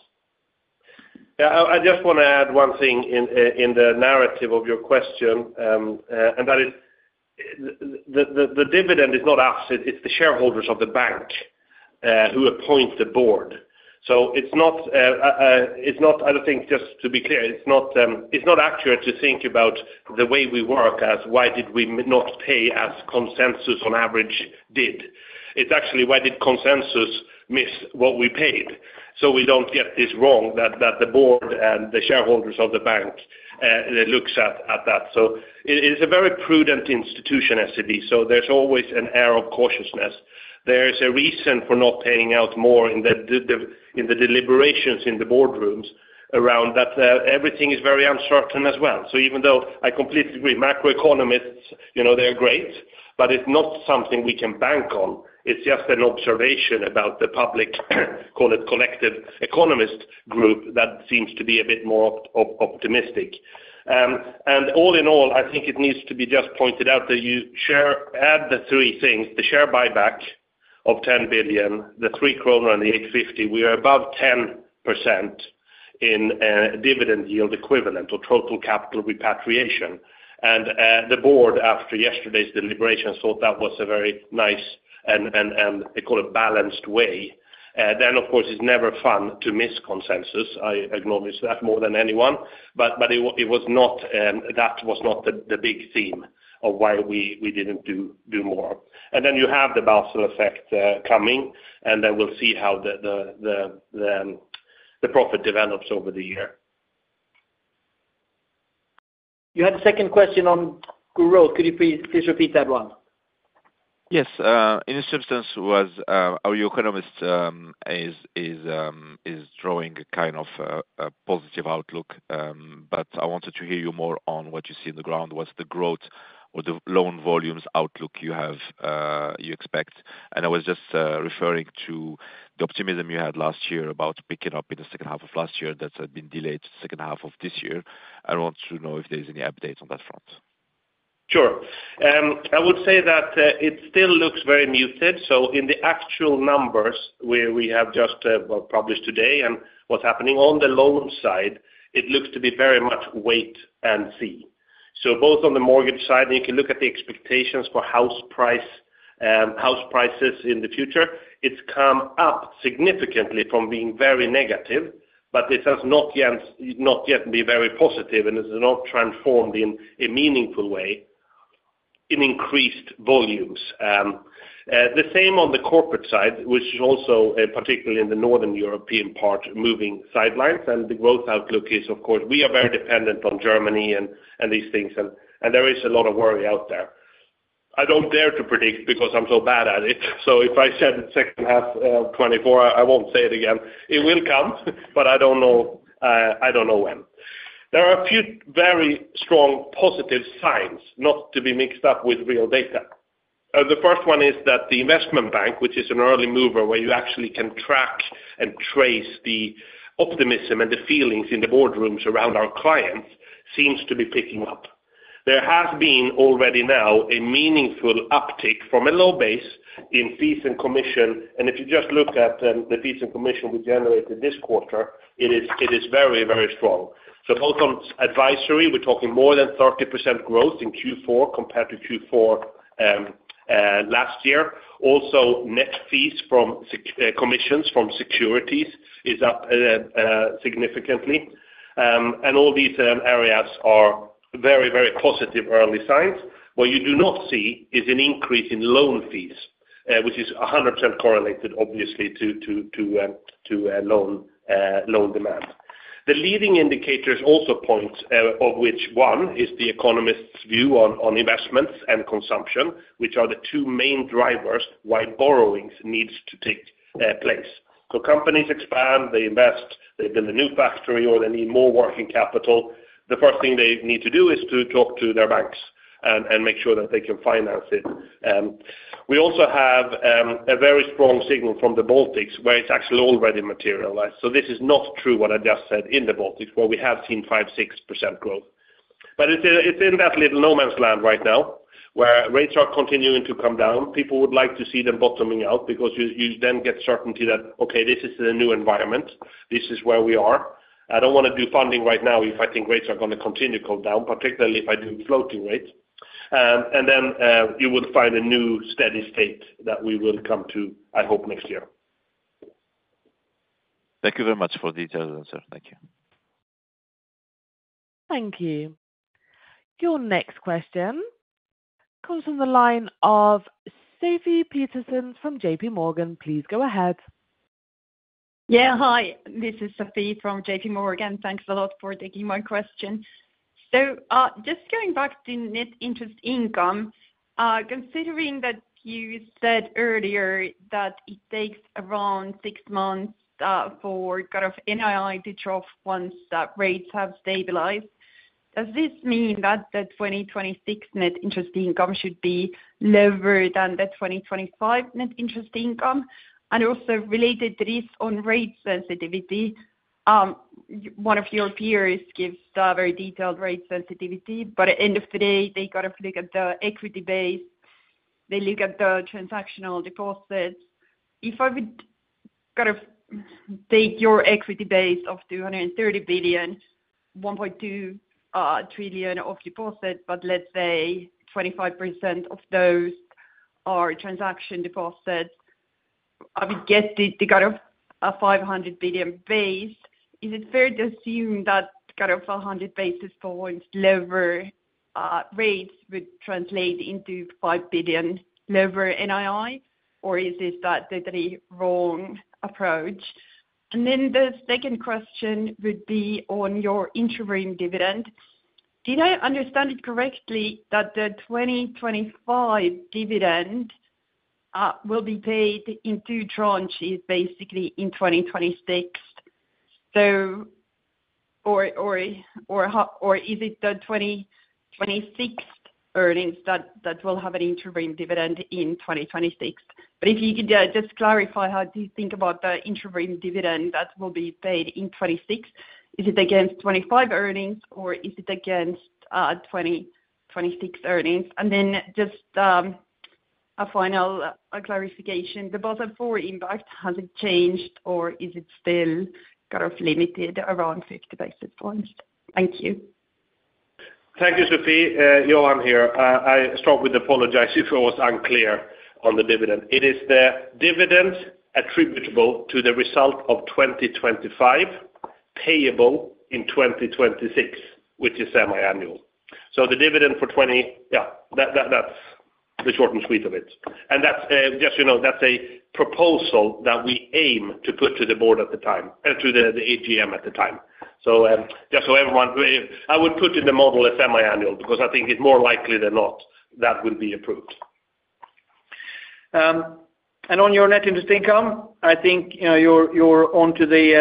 Yeah. I just want to add one thing in the narrative of your question, and that is the dividend is not us, it's the shareholders of the bank who appoint the board. So it's not, I think, just to be clear, it's not accurate to think about the way we work as why did we not pay as consensus on average did. It's actually why did consensus miss what we paid? So we don't get this wrong that the board and the shareholders of the bank look at that. So it is a very prudent institution, SEB, so there's always an air of cautiousness. There is a reason for not paying out more in the deliberations in the boardrooms around that everything is very uncertain as well. So even though I completely agree, macroeconomists, they're great, but it's not something we can bank on. It's just an observation about the public, call it collective economist group that seems to be a bit more optimistic. And all in all, I think it needs to be just pointed out that you add the three things: the share buyback of 10 billion, the 3 kronor and the 8.50. We are above 10% in dividend yield equivalent or total capital repatriation. The board, after yesterday's deliberations, thought that was a very nice and, they call it, balanced way. Of course, it's never fun to miss consensus. I acknowledge that more than anyone. But it was not, that was not the big theme of why we didn't do more. And then you have the Basel effect coming, and then we'll see how the profit develops over the year. You had a second question on growth. Could you please repeat that one? Yes. In substance, our economist is drawing a kind of positive outlook, but I wanted to hear you more on what you see on the ground, what's the growth or the loan volumes outlook you expect. I was just referring to the optimism you had last year about picking up in the second half of last year that had been delayed to the second half of this year. I want to know if there's any updates on that front. Sure. I would say that it still looks very muted. So in the actual numbers we have just published today and what's happening on the loan side, it looks to be very much wait and see. So both on the mortgage side, and you can look at the expectations for house prices in the future, it's come up significantly from being very negative, but it has not yet been very positive, and it has not transformed in a meaningful way in increased volumes. The same on the corporate side, which is also particularly in the northern European part moving sidelines. The growth outlook is, of course, we are very dependent on Germany and these things, and there is a lot of worry out there. I don't dare to predict because I'm so bad at it. So if I said second half of 2024, I won't say it again. It will come, but I don't know when. There are a few very strong positive signs not to be mixed up with real data. The first one is that the investment bank, which is an early mover where you actually can track and trace the optimism and the feelings in the boardrooms around our clients, seems to be picking up. There has been already now a meaningful uptick from a low base in fees and commission. And if you just look at the fees and commission we generated this quarter, it is very, very strong. So both on advisory, we're talking more than 30% growth in Q4 compared to Q4 last year. Also, net fees from commissions from securities is up significantly. And all these areas are very, very positive early signs. What you do not see is an increase in loan fees, which is 100% correlated, obviously, to loan demand. The leading indicators also point, of which one is the economist's view on investments and consumption, which are the two main drivers why borrowing needs to take place. So companies expand, they invest, they build a new factory, or they need more working capital. The first thing they need to do is to talk to their banks and make sure that they can finance it. We also have a very strong signal from the Baltics where it's actually already materialized. So this is not true what I just said in the Baltics, where we have seen 5%-6% growth. But it's in that little no-man's land right now where rates are continuing to come down. People would like to see them bottoming out because you then get certainty that, okay, this is the new environment. This is where we are. I don't want to do funding right now if I think rates are going to continue to come down, particularly if I do floating rates. And then you would find a new steady state that we will come to, I hope, next year. Thank you very much for the detailed answer. Thank you. Thank you. Your next question comes from the line of Sofie Peterzens from JP Morgan. Please go ahead. Yeah. Hi. This is Sofie from JP Morgan. Thanks a lot for taking my question. So just going back to net interest income, considering that you said earlier that it takes around six months for kind of NII to drop once rates have stabilized, does this mean that the 2026 net interest income should be lower than the 2025 net interest income? And also related to this on rate sensitivity, one of your peers gives very detailed rate sensitivity, but at the end of the day, they kind of look at the equity base, they look at the transactional deposits. If I would kind of take your equity base of 230 billion, 1.2 trillion of deposit, but let's say 25% of those are transaction deposits, I would get the kind of 500 billion base. Is it fair to assume that kind of 100 basis points lower rates would translate into 5 billion lower NII, or is this that totally wrong approach? The second question would be on your interim dividend. Did I understand it correctly that the 2025 dividend will be paid in two tranches, basically in 2026? Or is it the 2026 earnings that will have an interim dividend in 2026? But if you could just clarify how do you think about the interim dividend that will be paid in 2026, is it against 2025 earnings, or is it against 2026 earnings? And then just a final clarification, the Basel IV impact, has it changed, or is it still kind of limited around 50 basis points? Thank you. Thank you, Sofie. Johan here. I strongly apologize if I was unclear on the dividend. It is the dividend attributable to the result of 2025, payable in 2026, which is semi-annual. So the dividend for 2020, yeah, that's the short and sweet of it. Just so you know, that's a proposal that we aim to put to the board at the time, to the AGM at the time. Just so everyone, I would put in the model as semi-annual because I think it's more likely than not that would be approved. On your net interest income, I think you're onto the.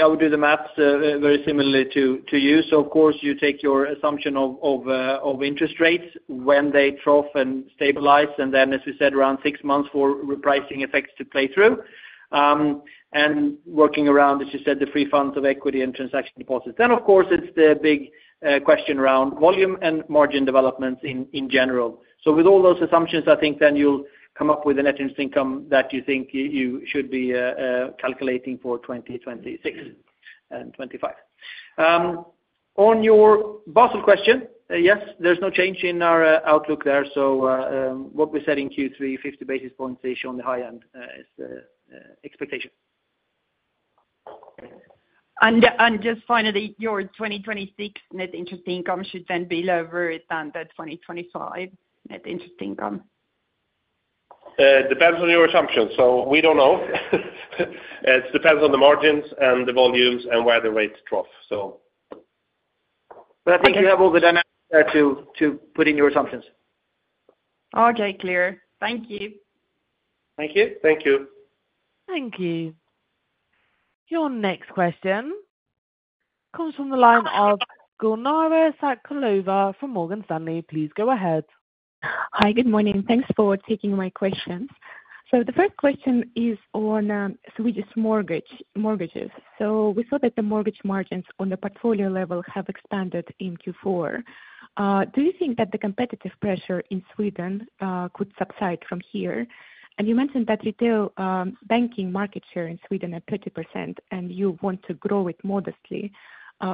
I would do the math very similarly to you. Of course, you take your assumption of interest rates when they trough and stabilize, and then, as we said, around six months for repricing effects to play through. Working around, as you said, the free funds of equity and transaction deposits. Then, of course, it's the big question around volume and margin developments in general. With all those assumptions, I think then you'll come up with a net interest income that you think you should be calculating for 2026 and 2025. On your Basel question, yes, there's no change in our outlook there. So what we said in Q3, 50 basis points is on the high end, is the expectation. And just finally, your 2026 net interest income should then be lower than the 2025 net interest income? Depends on your assumptions. So we don't know. It depends on the margins and the volumes and where the rates drop, so. But I think you have all the dynamics there to put in your assumptions. Okay. Clear. Thank you. Thank you. Thank you. Thank you. Your next question comes from the line of Gulnara Saitkulova from Morgan Stanley. Please go ahead. Hi. Good morning. Thanks for taking my questions. The first question is on Swedish mortgages. We saw that the mortgage margins on the portfolio level have expanded in Q4. Do you think that the competitive pressure in Sweden could subside from here? You mentioned that retail banking market share in Sweden is 30%, and you want to grow it modestly.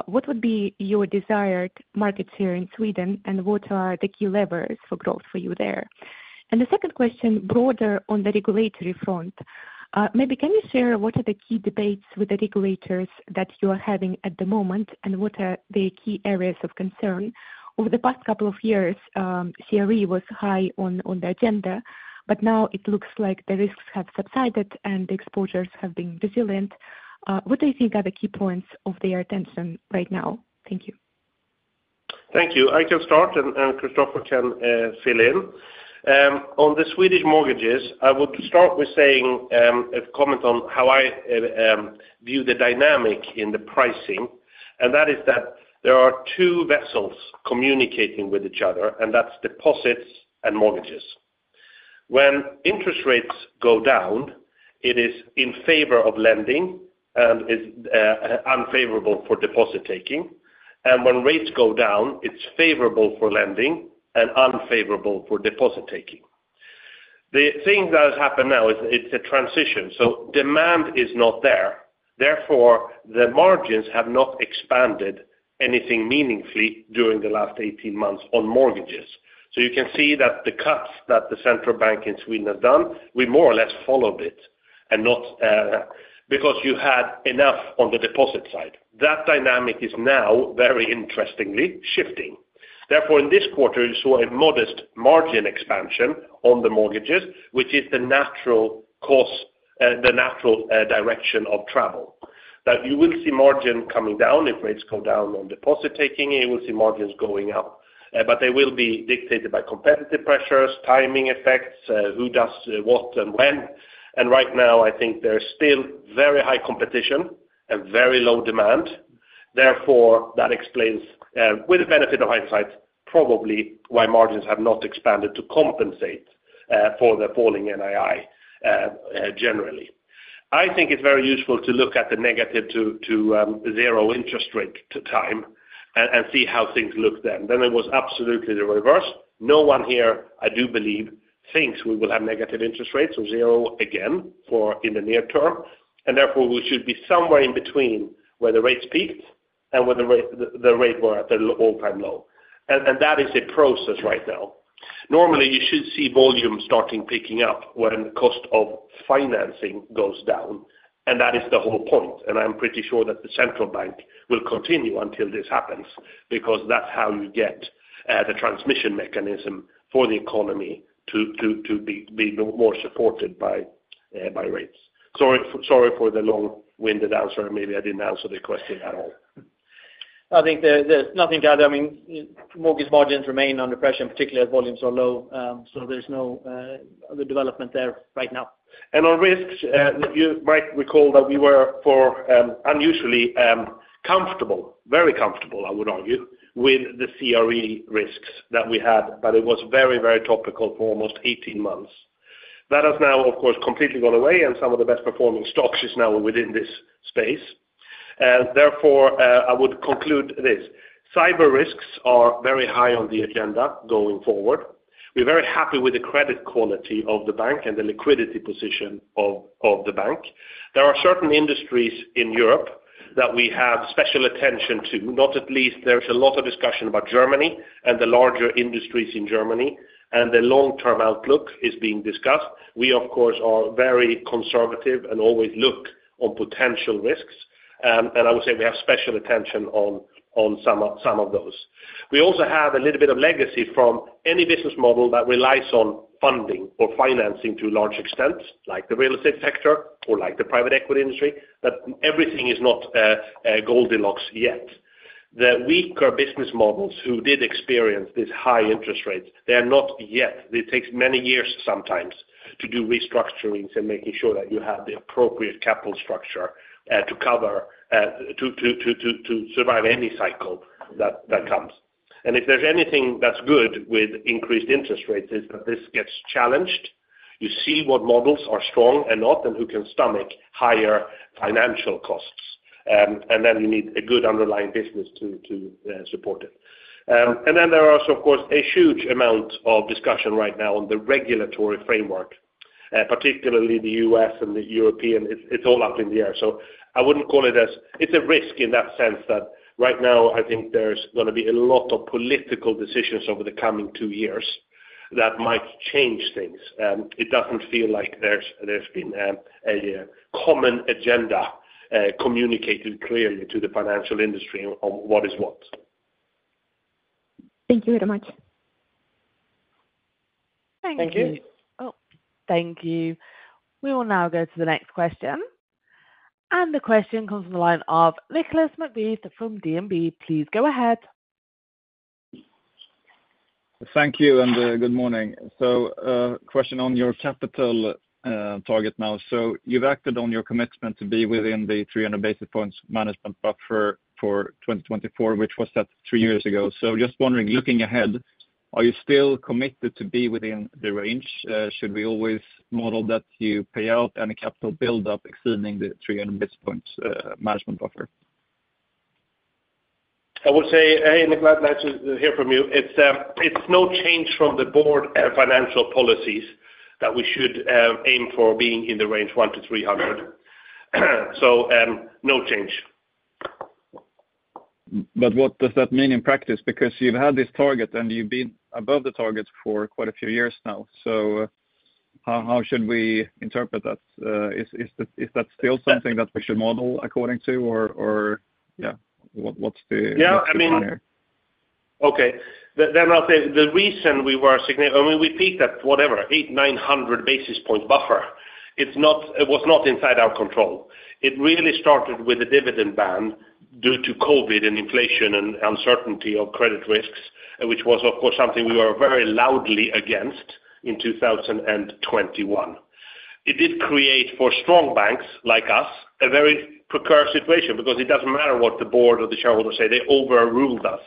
What would be your desired market share in Sweden, and what are the key levers for growth for you there? The second question, broader on the regulatory front, maybe can you share what are the key debates with the regulators that you are having at the moment, and what are the key areas of concern? Over the past couple of years, CRE was high on the agenda, but now it looks like the risks have subsided and the exposures have been resilient. What do you think are the key points of their attention right now? Thank you. Thank you. I can start, and Christoffer can fill in. On the Swedish mortgages, I would start with saying a comment on how I view the dynamic in the pricing, and that is that there are two vessels communicating with each other, and that's deposits and mortgages. When interest rates go down, it is in favor of lending and is unfavorable for deposit taking, and when rates go down, it's favorable for lending and unfavorable for deposit taking. The thing that has happened now is it's a transition. So demand is not there. Therefore, the margins have not expanded anything meaningfully during the last 18 months on mortgages. So, you can see that the cuts that the central bank in Sweden has done. We more or less followed it because you had enough on the deposit side. That dynamic is now, very interestingly, shifting. Therefore, in this quarter, you saw a modest margin expansion on the mortgages, which is the natural direction of travel. Now, you will see margin coming down if rates go down on deposit taking. You will see margins going up, but they will be dictated by competitive pressures, timing effects, who does what and when. And right now, I think there's still very high competition and very low demand. Therefore, that explains, with the benefit of hindsight, probably why margins have not expanded to compensate for the falling NII generally. I think it's very useful to look at the negative to zero interest rate time and see how things look then. Then it was absolutely the reverse. No one here, I do believe, thinks we will have negative interest rates or zero again in the near term. And therefore, we should be somewhere in between where the rates peaked and where the rate were at the all-time low. And that is a process right now. Normally, you should see volume starting picking up when the cost of financing goes down, and that is the whole point. And I'm pretty sure that the central bank will continue until this happens because that's how you get the transmission mechanism for the economy to be more supported by rates. Sorry for the long-winded answer. Maybe I didn't answer the question at all. I think there's nothing to add. I mean, mortgage margins remain under pressure, and particularly as volumes are low, so there's no other development there right now. And on risks, you might recall that we were unusually comfortable, very comfortable, I would argue, with the CRE risks that we had, but it was very, very topical for almost 18 months. That has now, of course, completely gone away, and some of the best-performing stocks are now within this space. Therefore, I would conclude this: cyber risks are very high on the agenda going forward. We're very happy with the credit quality of the bank and the liquidity position of the bank. There are certain industries in Europe that we have special attention to, not least there's a lot of discussion about Germany and the larger industries in Germany, and the long-term outlook is being discussed. We, of course, are very conservative and always look on potential risks. And I would say we have special attention on some of those. We also have a little bit of legacy from any business model that relies on funding or financing to a large extent, like the real estate sector or like the private equity industry, that everything is not goldilocks yet. The weaker business models who did experience these high interest rates, they are not yet, it takes many years sometimes to do restructurings and making sure that you have the appropriate capital structure to cover to survive any cycle that comes. And if there's anything that's good with increased interest rates is that this gets challenged, you see what models are strong and not, and who can stomach higher financial costs. And then you need a good underlying business to support it. And then there is, of course, a huge amount of discussion right now on the regulatory framework, particularly the U.S. and the European. It's all up in the air. So I wouldn't call it as. It's a risk in that sense that right now, I think there's going to be a lot of political decisions over the coming two years that might change things. It doesn't feel like there's been a common agenda communicated clearly to the financial industry on what is what. Thank you very much. Thank you. Thank you. We will now go to the next question. And the question comes from the line of Nicolas McBeath from DNB. Please go ahead. Thank you, and good morning. So a question on your capital target now. So you've acted on your commitment to be within the 300 basis points management buffer for 2024, which was set three years ago. So just wondering, looking ahead, are you still committed to be within the range? Should we always model that you pay out any capital build-up exceeding the 300 basis points management buffer? I would say, hey, Nicolas, nice to hear from you. It's no change from the board and financial policies that we should aim for being in the range 1 to 300. So no change. But what does that mean in practice? Because you've had this target, and you've been above the target for quite a few years now. So how should we interpret that? Is that still something that we should model according to, or yeah, what's the— Yeah, I mean, okay. Then I'll say the reason we were—I mean, we peaked at whatever, 8, 900 basis points buffer. It was not inside our control. It really started with the dividend ban due to COVID and inflation and uncertainty of credit risks, which was, of course, something we were very loudly against in 2021. It did create for strong banks like us a very precarious situation because it doesn't matter what the board or the shareholders say, they overruled us,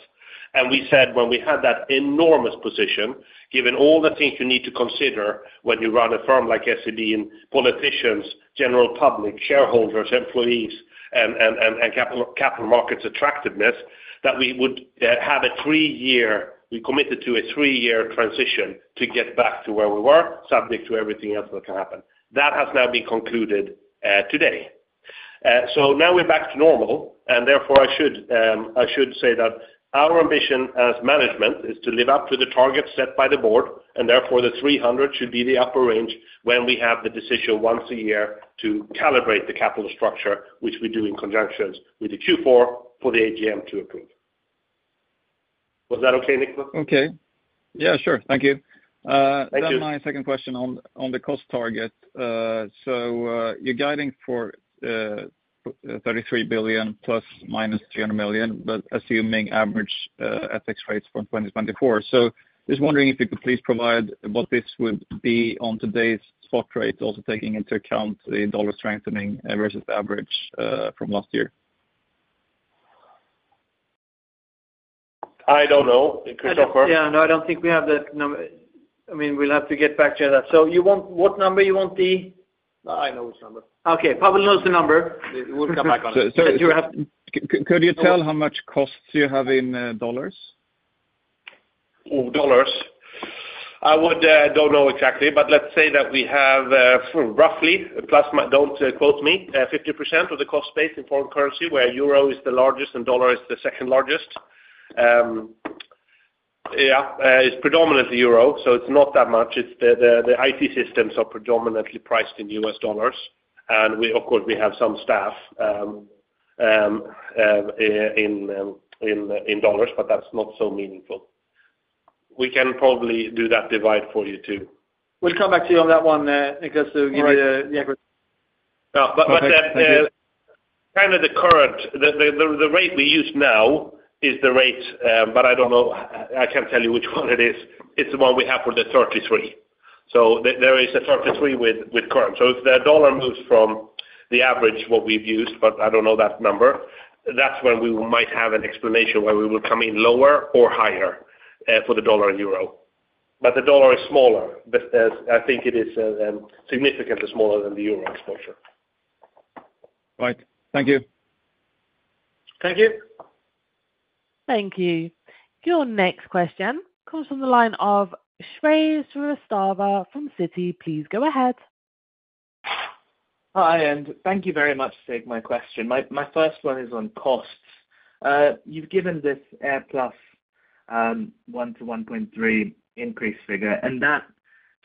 and we said when we had that enormous position, given all the things you need to consider when you run a firm like SEB and politicians, general public, shareholders, employees, and capital markets attractiveness, that we would have a three-year, we committed to a three-year transition to get back to where we were, subject to everything else that can happen. That has now been concluded today. So now we're back to normal, and therefore I should say that our ambition as management is to live up to the target set by the board, and therefore the 300 should be the upper range when we have the decision once a year to calibrate the capital structure, which we do in conjunction with the Q4 for the AGM to approve. Was that okay, Nicolas? Okay. Yeah, sure. Thank you. Thank you. Then my second question on the cost target. So you're guiding for 33 billion ± 300 million, but assuming average FX rates from 2024. So just wondering if you could please provide what this would be on today's spot rate, also taking into account the dollar strengthening versus the average from last year. I don't know. Christoffer? Yeah, no, I don't think we have that number. I mean, we'll have to get back to you on that. So what number you want the? I know which number. Okay. Pawel knows the number. We'll come back on it. Could you tell how much costs you have in dollars? Oh, dollars. I don't know exactly, but let's say that we have roughly, don't quote me, 50% of the cost base in foreign currency, where euro is the largest and dollar is the second largest. Yeah, it's predominantly euro, so it's not that much. The IT systems are predominantly priced in U.S. dollars. And of course, we have some staff in dollars, but that's not so meaningful. We can probably do that divide for you too. We'll come back to you on that one, Nicolas, to give you the. But then kind of the current, the rate we use now is the rate, but I don't know. I can't tell you which one it is. It's the one we have for the 33. So there is a 33 with current. So if the dollar moves from the average, what we've used, but I don't know that number, that's when we might have an explanation where we will come in lower or higher for the dollar and euro. But the dollar is smaller. I think it is significantly smaller than the euro exposure. Right. Thank you. Thank you. Thank you. Your next question comes from the line of Shreyas Srivastava from Citi. Please go ahead. Hi, and thank you very much for taking my question. My first one is on costs. You've given this AirPlus 1%-1.3% increase figure, and that,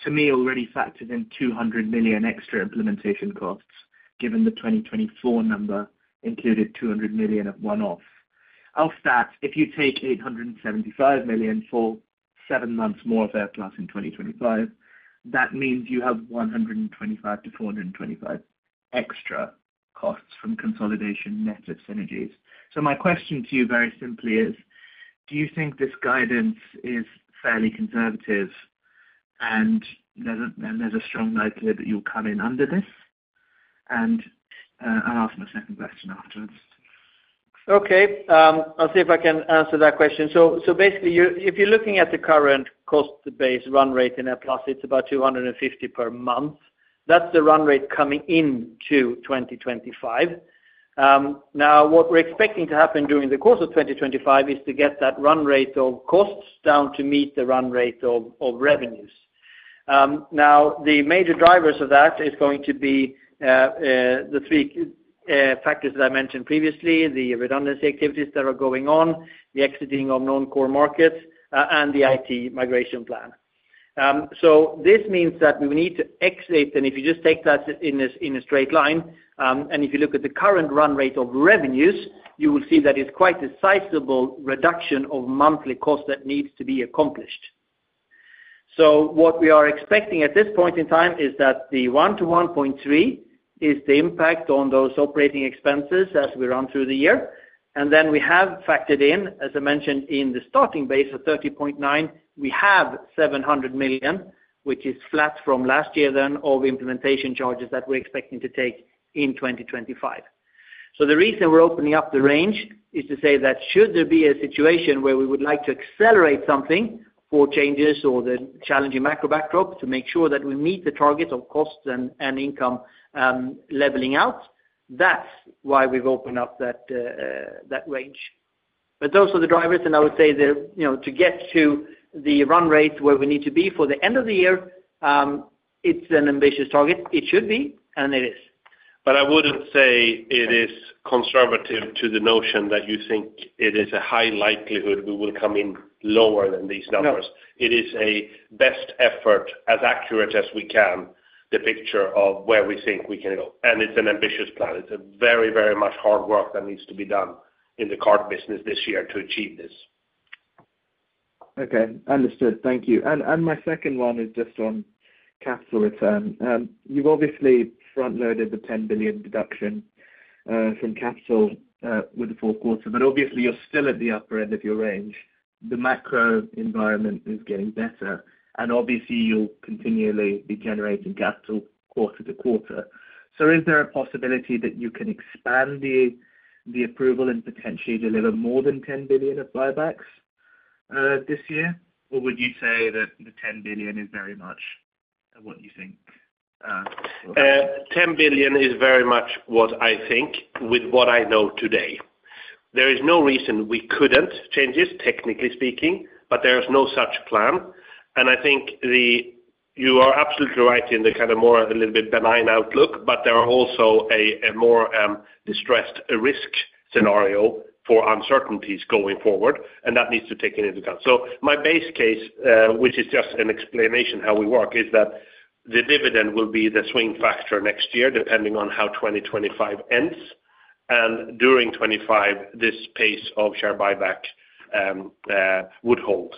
to me, already factors in 200 million extra implementation costs, given the 2024 number included 200 million of one-off. I'll start. If you take 875 million for seven months more of AirPlus in 2025, that means you have 125 million-425 million extra costs from consolidation net of synergies. So my question to you very simply is, do you think this guidance is fairly conservative, and there's a strong likelihood that you'll come in under this? And I'll ask my second question afterwards. Okay. I'll see if I can answer that question. So basically, if you're looking at the current cost-based run rate in AirPlus, it's about 250 million per month. That's the run rate coming into 2025. Now, what we're expecting to happen during the course of 2025 is to get that run rate of costs down to meet the run rate of revenues. Now, the major drivers of that are going to be the three factors that I mentioned previously: the redundancy activities that are going on, the exiting of non-core markets, and the IT migration plan. So this means that we need to exit, and if you just take that in a straight line and if you look at the current run rate of revenues, you will see that it's quite a sizable reduction of monthly costs that needs to be accomplished. So what we are expecting at this point in time is that the 1 billion-1.3 billion is the impact on those operating expenses as we run through the year. And then we have factored in, as I mentioned, in the starting base of 30.9 billion, we have 700 million, which is flat from last year then of implementation charges that we're expecting to take in 2025. So the reason we're opening up the range is to say that should there be a situation where we would like to accelerate something for changes or the challenging macro backdrop to make sure that we meet the target of costs and income leveling out, that's why we've opened up that range. But those are the drivers, and I would say to get to the run rate where we need to be for the end of the year, it's an ambitious target. It should be, and it is. But I wouldn't say it is conservative to the notion that you think it is a high likelihood we will come in lower than these numbers. It is a best effort, as accurate as we can, the picture of where we think we can go. And it's an ambitious plan. It's very, very much hard work that needs to be done in the card business this year to achieve this. Okay. Understood. Thank you. And my second one is just on capital return. You've obviously front-loaded the 10 billion deduction from capital with the fourth quarter, but obviously, you're still at the upper end of your range. The macro environment is getting better, and obviously, you'll continually be generating capital quarter to quarter. So is there a possibility that you can expand the approval and potentially deliver more than 10 billion of buybacks this year, or would you say that the 10 billion is very much what you think? 10 billion is very much what I think with what I know today. There is no reason we couldn't change this, technically speaking, but there is no such plan. And I think you are absolutely right in the kind of more a little bit benign outlook, but there are also a more distressed risk scenario for uncertainties going forward, and that needs to be taken into account. So my base case, which is just an explanation of how we work, is that the dividend will be the swing factor next year depending on how 2025 ends and during 2025 this pace of share buyback would hold.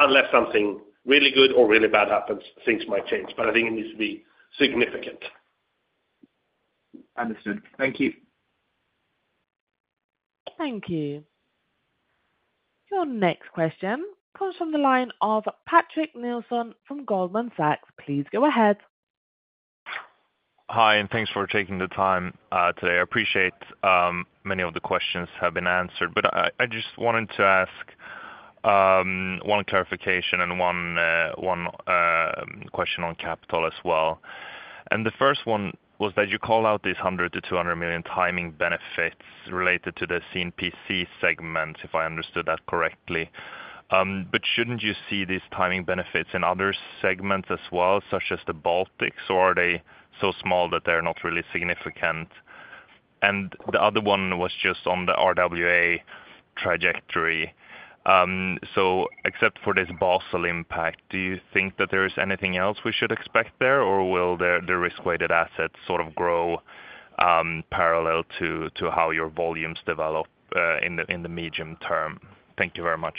Unless something really good or really bad happens, things might change, but I think it needs to be significant. Understood. Thank you. Thank you. Your next question comes from the line of Patrik Nilsson from Goldman Sachs. Please go ahead. Hi, and thanks for taking the time today. I appreciate many of the questions have been answered, but I just wanted to ask one clarification and one question on capital as well. The first one was that you call out these 100 million-200 million timing benefits related to the C&PC segment, if I understood that correctly. But shouldn't you see these timing benefits in other segments as well, such as the Baltics, or are they so small that they're not really significant? The other one was just on the RWA trajectory. So except for this Basel impact, do you think that there is anything else we should expect there, or will the risk-weighted assets sort of grow parallel to how your volumes develop in the medium term? Thank you very much.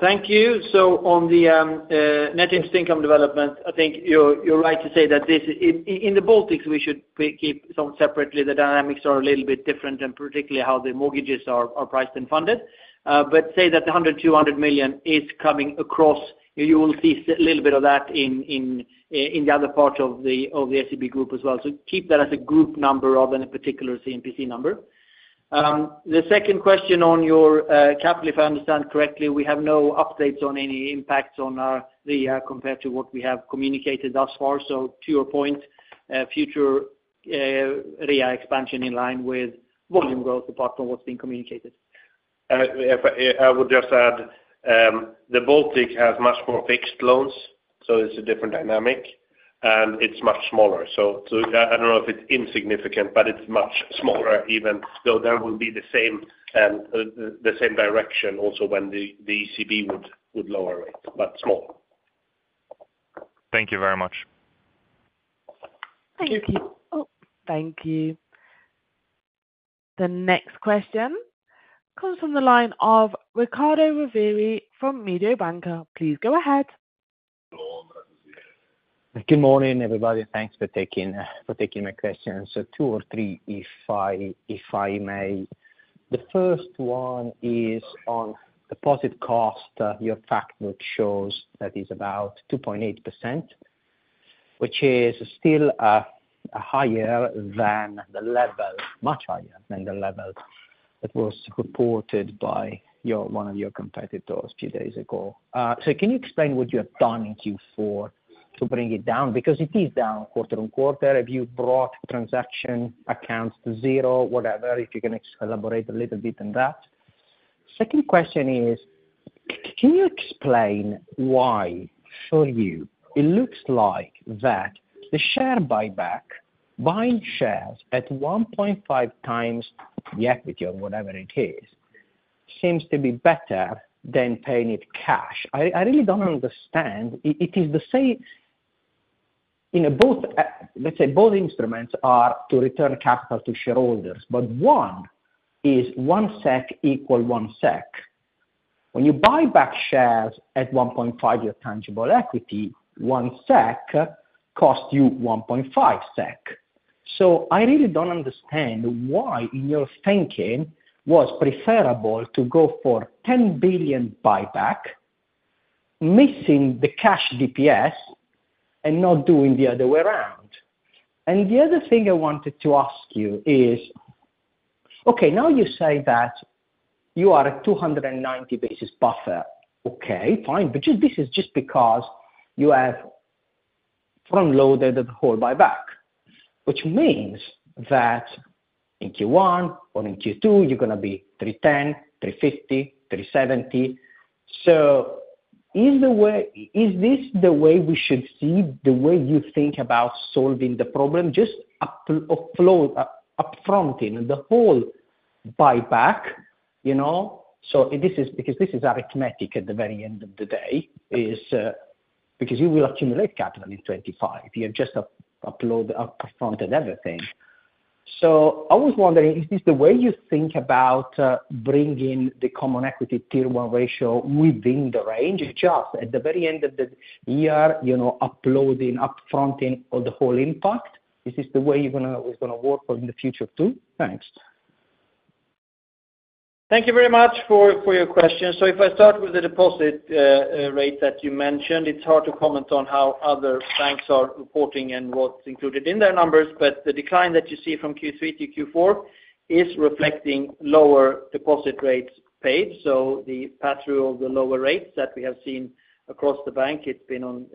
Thank you. On the net interest income development, I think you're right to say that in the Baltics, we should keep some separately. The dynamics are a little bit different and particularly how the mortgages are priced and funded. But say that the 100 million-200 million is coming across, you will see a little bit of that in the other part of the SEB group as well. So keep that as a group number rather than a particular C&PC number. The second question on your capital, if I understand correctly, we have no updates on any impacts on REA compared to what we have communicated thus far. So to your point, future REA expansion in line with volume growth apart from what's been communicated. I would just add the Baltics has much more fixed loans, so it's a different dynamic, and it's much smaller. So I don't know if it's insignificant, but it's much smaller even though there will be the same direction also when the ECB would lower rates, but small. Thank you very much. Thank you. Thank you. The next question comes from the line of Riccardo Rovere from Mediobanca. Please go ahead. Good morning, everybody. Thanks for taking my questions. So two or three, if I may. The first one is on deposit cost. Your factor shows that it's about 2.8%, which is still higher than the level, much higher than the level that was reported by one of your competitors a few days ago. So can you explain what you have done in Q4 to bring it down? Because it is down quarter on quarter. Have you brought transaction accounts to zero, whatever, if you can elaborate a little bit on that? Second question is, can you explain why, for you, it looks like that the share buyback, buying shares at 1.5 times the equity or whatever it is, seems to be better than paying it cash? I really don't understand. It is the same in both, let's say, both instruments are to return capital to shareholders, but one is one SEK equal one SEK. When you buy back shares at 1.5, your tangible equity, one SEK costs you 1.5 SEK. So I really don't understand why in your thinking was preferable to go for 10 billion buyback, missing the cash DPS and not doing the other way around, and the other thing I wanted to ask you is, okay, now you say that you are at 290 basis points buffer. Okay, fine, but this is just because you have front-loaded the whole buyback, which means that in Q1 or in Q2, you're going to be 310, 350, 370. So is this the way we should see the way you think about solving the problem, just upfronting the whole buyback? Because this is arithmetic at the very end of the day, because you will accumulate capital in 2025. You have just upfronted everything. So I was wondering, is this the way you think about bringing the Common Equity Tier 1 ratio within the range, just at the very end of the year, upfronting, upfronting the whole impact? Is this the way you're going to work in the future too? Thanks. Thank you very much for your question. So if I start with the deposit rate that you mentioned, it's hard to comment on how other banks are reporting and what's included in their numbers, but the decline that you see from Q3 to Q4 is reflecting lower deposit rates paid. So the pattern of the lower rates that we have seen across the bank, it's been on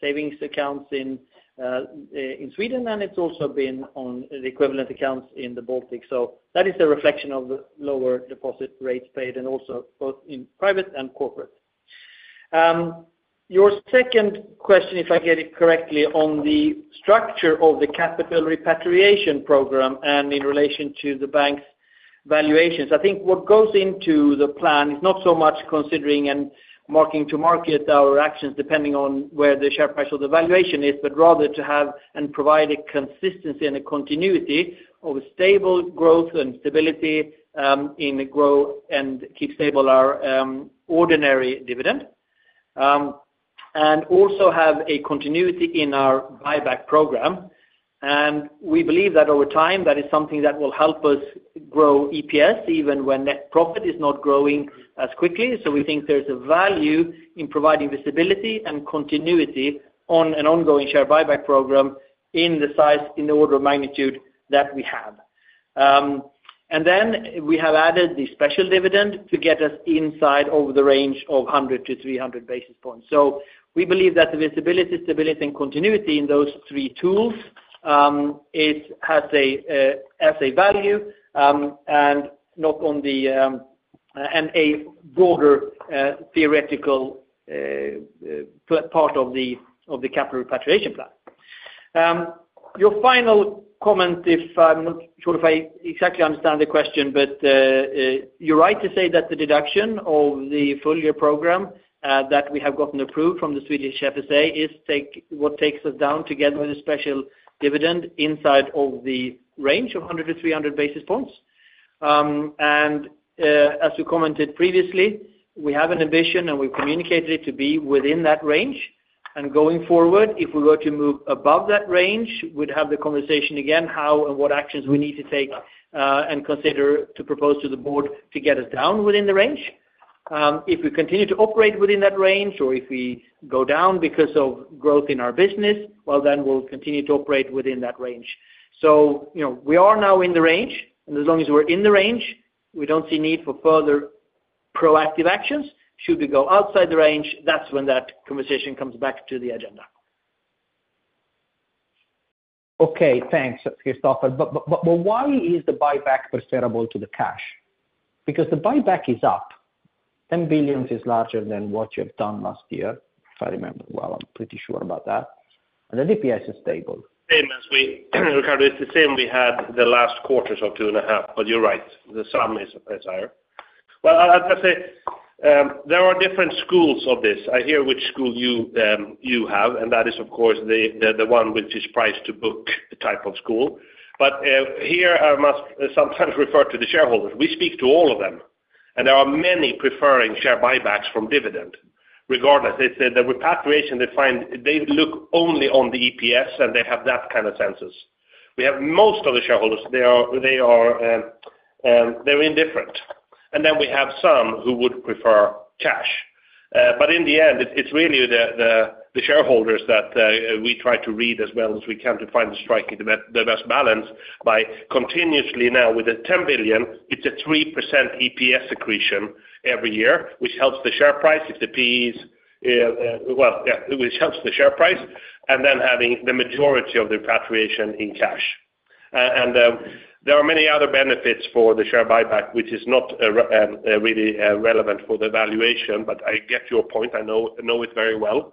savings accounts in Sweden, and it's also been on the equivalent accounts in the Baltic. So that is a reflection of the lower deposit rates paid and also both in private and corporate. Your second question, if I get it correctly, on the structure of the capital repatriation program and in relation to the bank's valuations, I think what goes into the plan is not so much considering and marking to market our actions depending on where the share price or the valuation is, but rather to have and provide a consistency and a continuity of a stable growth and stability in the growth and keep stable our ordinary dividend, and also have a continuity in our buyback program. We believe that over time, that is something that will help us grow EPS even when net profit is not growing as quickly. So we think there's a value in providing visibility and continuity on an ongoing share buyback program in the order of magnitude that we have. We have added the special dividend to get us inside over the range of 100-300 basis points. We believe that the visibility, stability, and continuity in those three tools has a value and not on the broader theoretical part of the capital repatriation plan. Your final comment, if I'm not sure if I exactly understand the question, but you're right to say that the deduction of the full year program that we have gotten approved from the Swedish FSA is what takes us down together with the special dividend inside of the range of 100-300 basis points, and as we commented previously, we have an ambition, and we've communicated it to be within that range, and going forward, if we were to move above that range, we'd have the conversation again how and what actions we need to take and consider to propose to the board to get us down within the range. If we continue to operate within that range or if we go down because of growth in our business, well, then we'll continue to operate within that range. We are now in the range, and as long as we're in the range, we don't see need for further proactive actions. Should we go outside the range, that's when that conversation comes back to the agenda. Okay. Thanks, Christoffer. But why is the buyback preferable to the cash? Because the buyback is up. 10 billion is larger than what you have done last year, if I remember well. I'm pretty sure about that. And the DPS is stable. As stated, Riccardo, it's the same we had the last quarters of 2.5, but you're right. The sum is higher. Well, I'll just say there are different schools of this. I hear which school you have, and that is, of course, the one which is priced to book type of school. But here, I must sometimes refer to the shareholders. We speak to all of them, and there are many preferring share buybacks from dividend. Regardless, the repatriation, they look only on the EPS, and they have that kind of consensus. We have most of the shareholders. They're indifferent. And then we have some who would prefer cash. But in the end, it's really the shareholders that we try to read as well as we can to find the best balance by continuously now, with the 10 billion, it's a 3% EPS accretion every year, which helps the share price, if the PE is well, yeah, which helps the share price, and then having the majority of the repatriation in cash. And there are many other benefits for the share buyback, which is not really relevant for the valuation, but I get your point. I know it very well.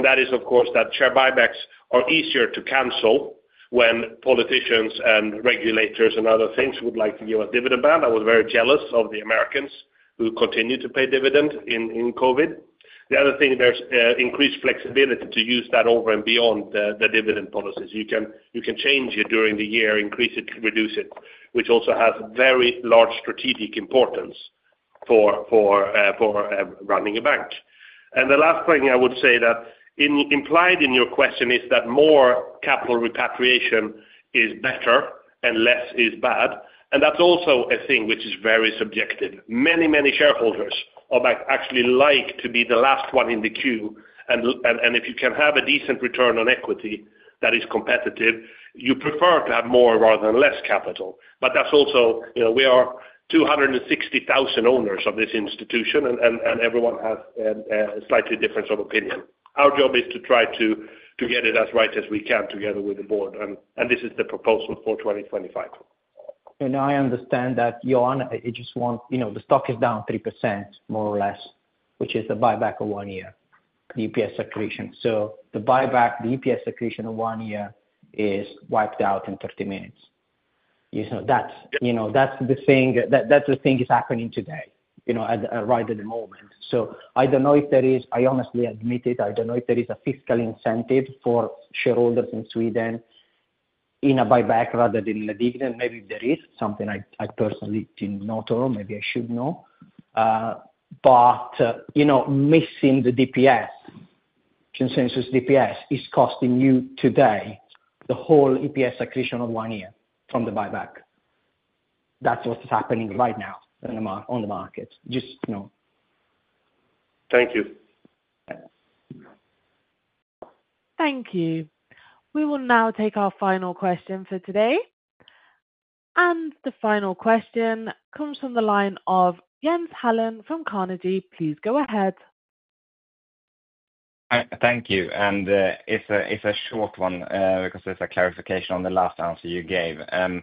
That is, of course, that share buybacks are easier to cancel when politicians and regulators and other things would like to give a dividend ban. I was very jealous of the Americans who continued to pay dividend in COVID. The other thing, there's increased flexibility to use that over and beyond the dividend policies. You can change it during the year, increase it, reduce it, which also has very large strategic importance for running a bank. The last thing I would say that implied in your question is that more capital repatriation is better and less is bad. That's also a thing which is very subjective. Many, many shareholders actually like to be the last one in the queue. If you can have a decent return on equity that is competitive, you prefer to have more rather than less capital. But that's also we are 260,000 owners of this institution, and everyone has a slightly different opinion. Our job is to try to get it as right as we can together with the board. And this is the proposal for 2025. And I understand that, Johan, it just wants the stock is down 3%, more or less, which is a buyback of one year, the EPS accretion. So the buyback, the EPS accretion of one year is wiped out in 30 minutes. That's the thing that's happening today right at the moment. So I don't know if there is I honestly admit it. I don't know if there is a fiscal incentive for shareholders in Sweden in a buyback rather than a dividend. Maybe there is something I personally didn't know at all. Maybe I should know. But missing the DPS, consensus DPS, is costing you today the whole EPS accretion of one year from the buyback. That's what's happening right now on the market. Just know. Thank you. Thank you. We will now take our final question for today. And the final question comes from the line of Jens Hallén from Carnegie. Please go ahead. Thank you. And it's a short one because there's a clarification on the last answer you gave. Can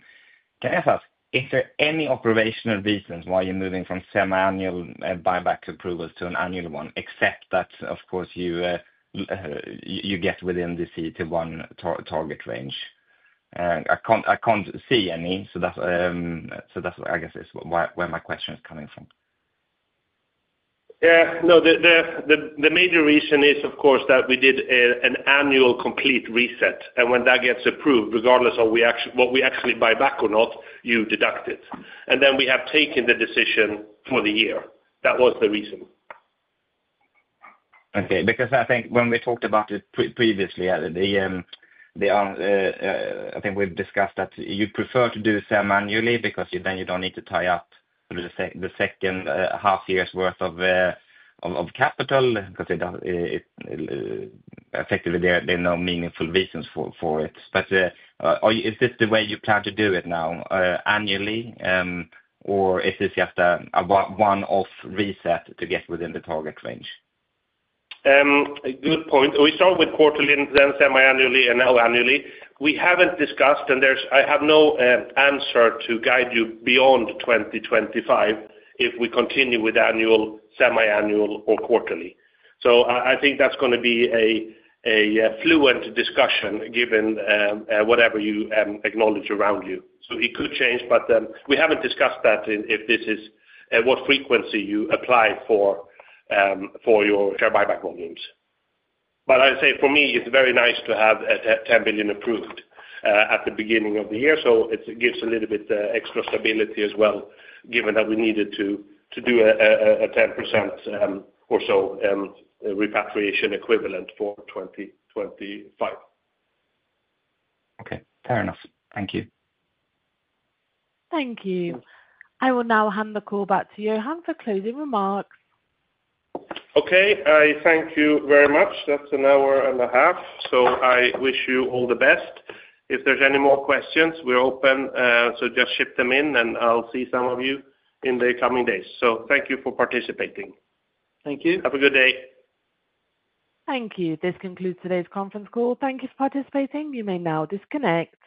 I ask, is there any operational reasons why you're moving from semi-annual buyback approvals to an annual one, except that, of course, you get within the CET1 target range? I can't see any. So that's, I guess, where my question is coming from. Yeah. No, the major reason is, of course, that we did an annual complete reset. When that gets approved, regardless of what we actually buy back or not, you deduct it. We have taken the decision for the year. That was the reason. Okay. Because I think when we talked about it previously, I think we've discussed that you prefer to do semi-annually because then you don't need to tie up the second half year's worth of capital because effectively, there are no meaningful reasons for it. Is this the way you plan to do it now, annually, or is this just a one-off reset to get within the target range? Good point. We start with quarterly, then semi-annually, and now annually. We haven't discussed, and I have no answer to guide you beyond 2025 if we continue with annual semi-annual or quarterly. I think that's going to be a fluid discussion given whatever happens around you. So it could change, but we haven't discussed that if this is what frequency you apply for your share buyback volumes. But I'd say for me, it's very nice to have 10 billion approved at the beginning of the year. So it gives a little bit of extra stability as well, given that we needed to do a 10% or so repatriation equivalent for 2025. Okay. Fair enough. Thank you. Thank you. I will now hand the call back to Johan for closing remarks. Okay. I thank you very much. That's an hour and a half. So I wish you all the best. If there's any more questions, we're open. So just ship them in, and I'll see some of you in the coming days. So thank you for participating. Thank you. Have a good day. Thank you. This concludes today's conference call. Thank you for participating. You may now disconnect.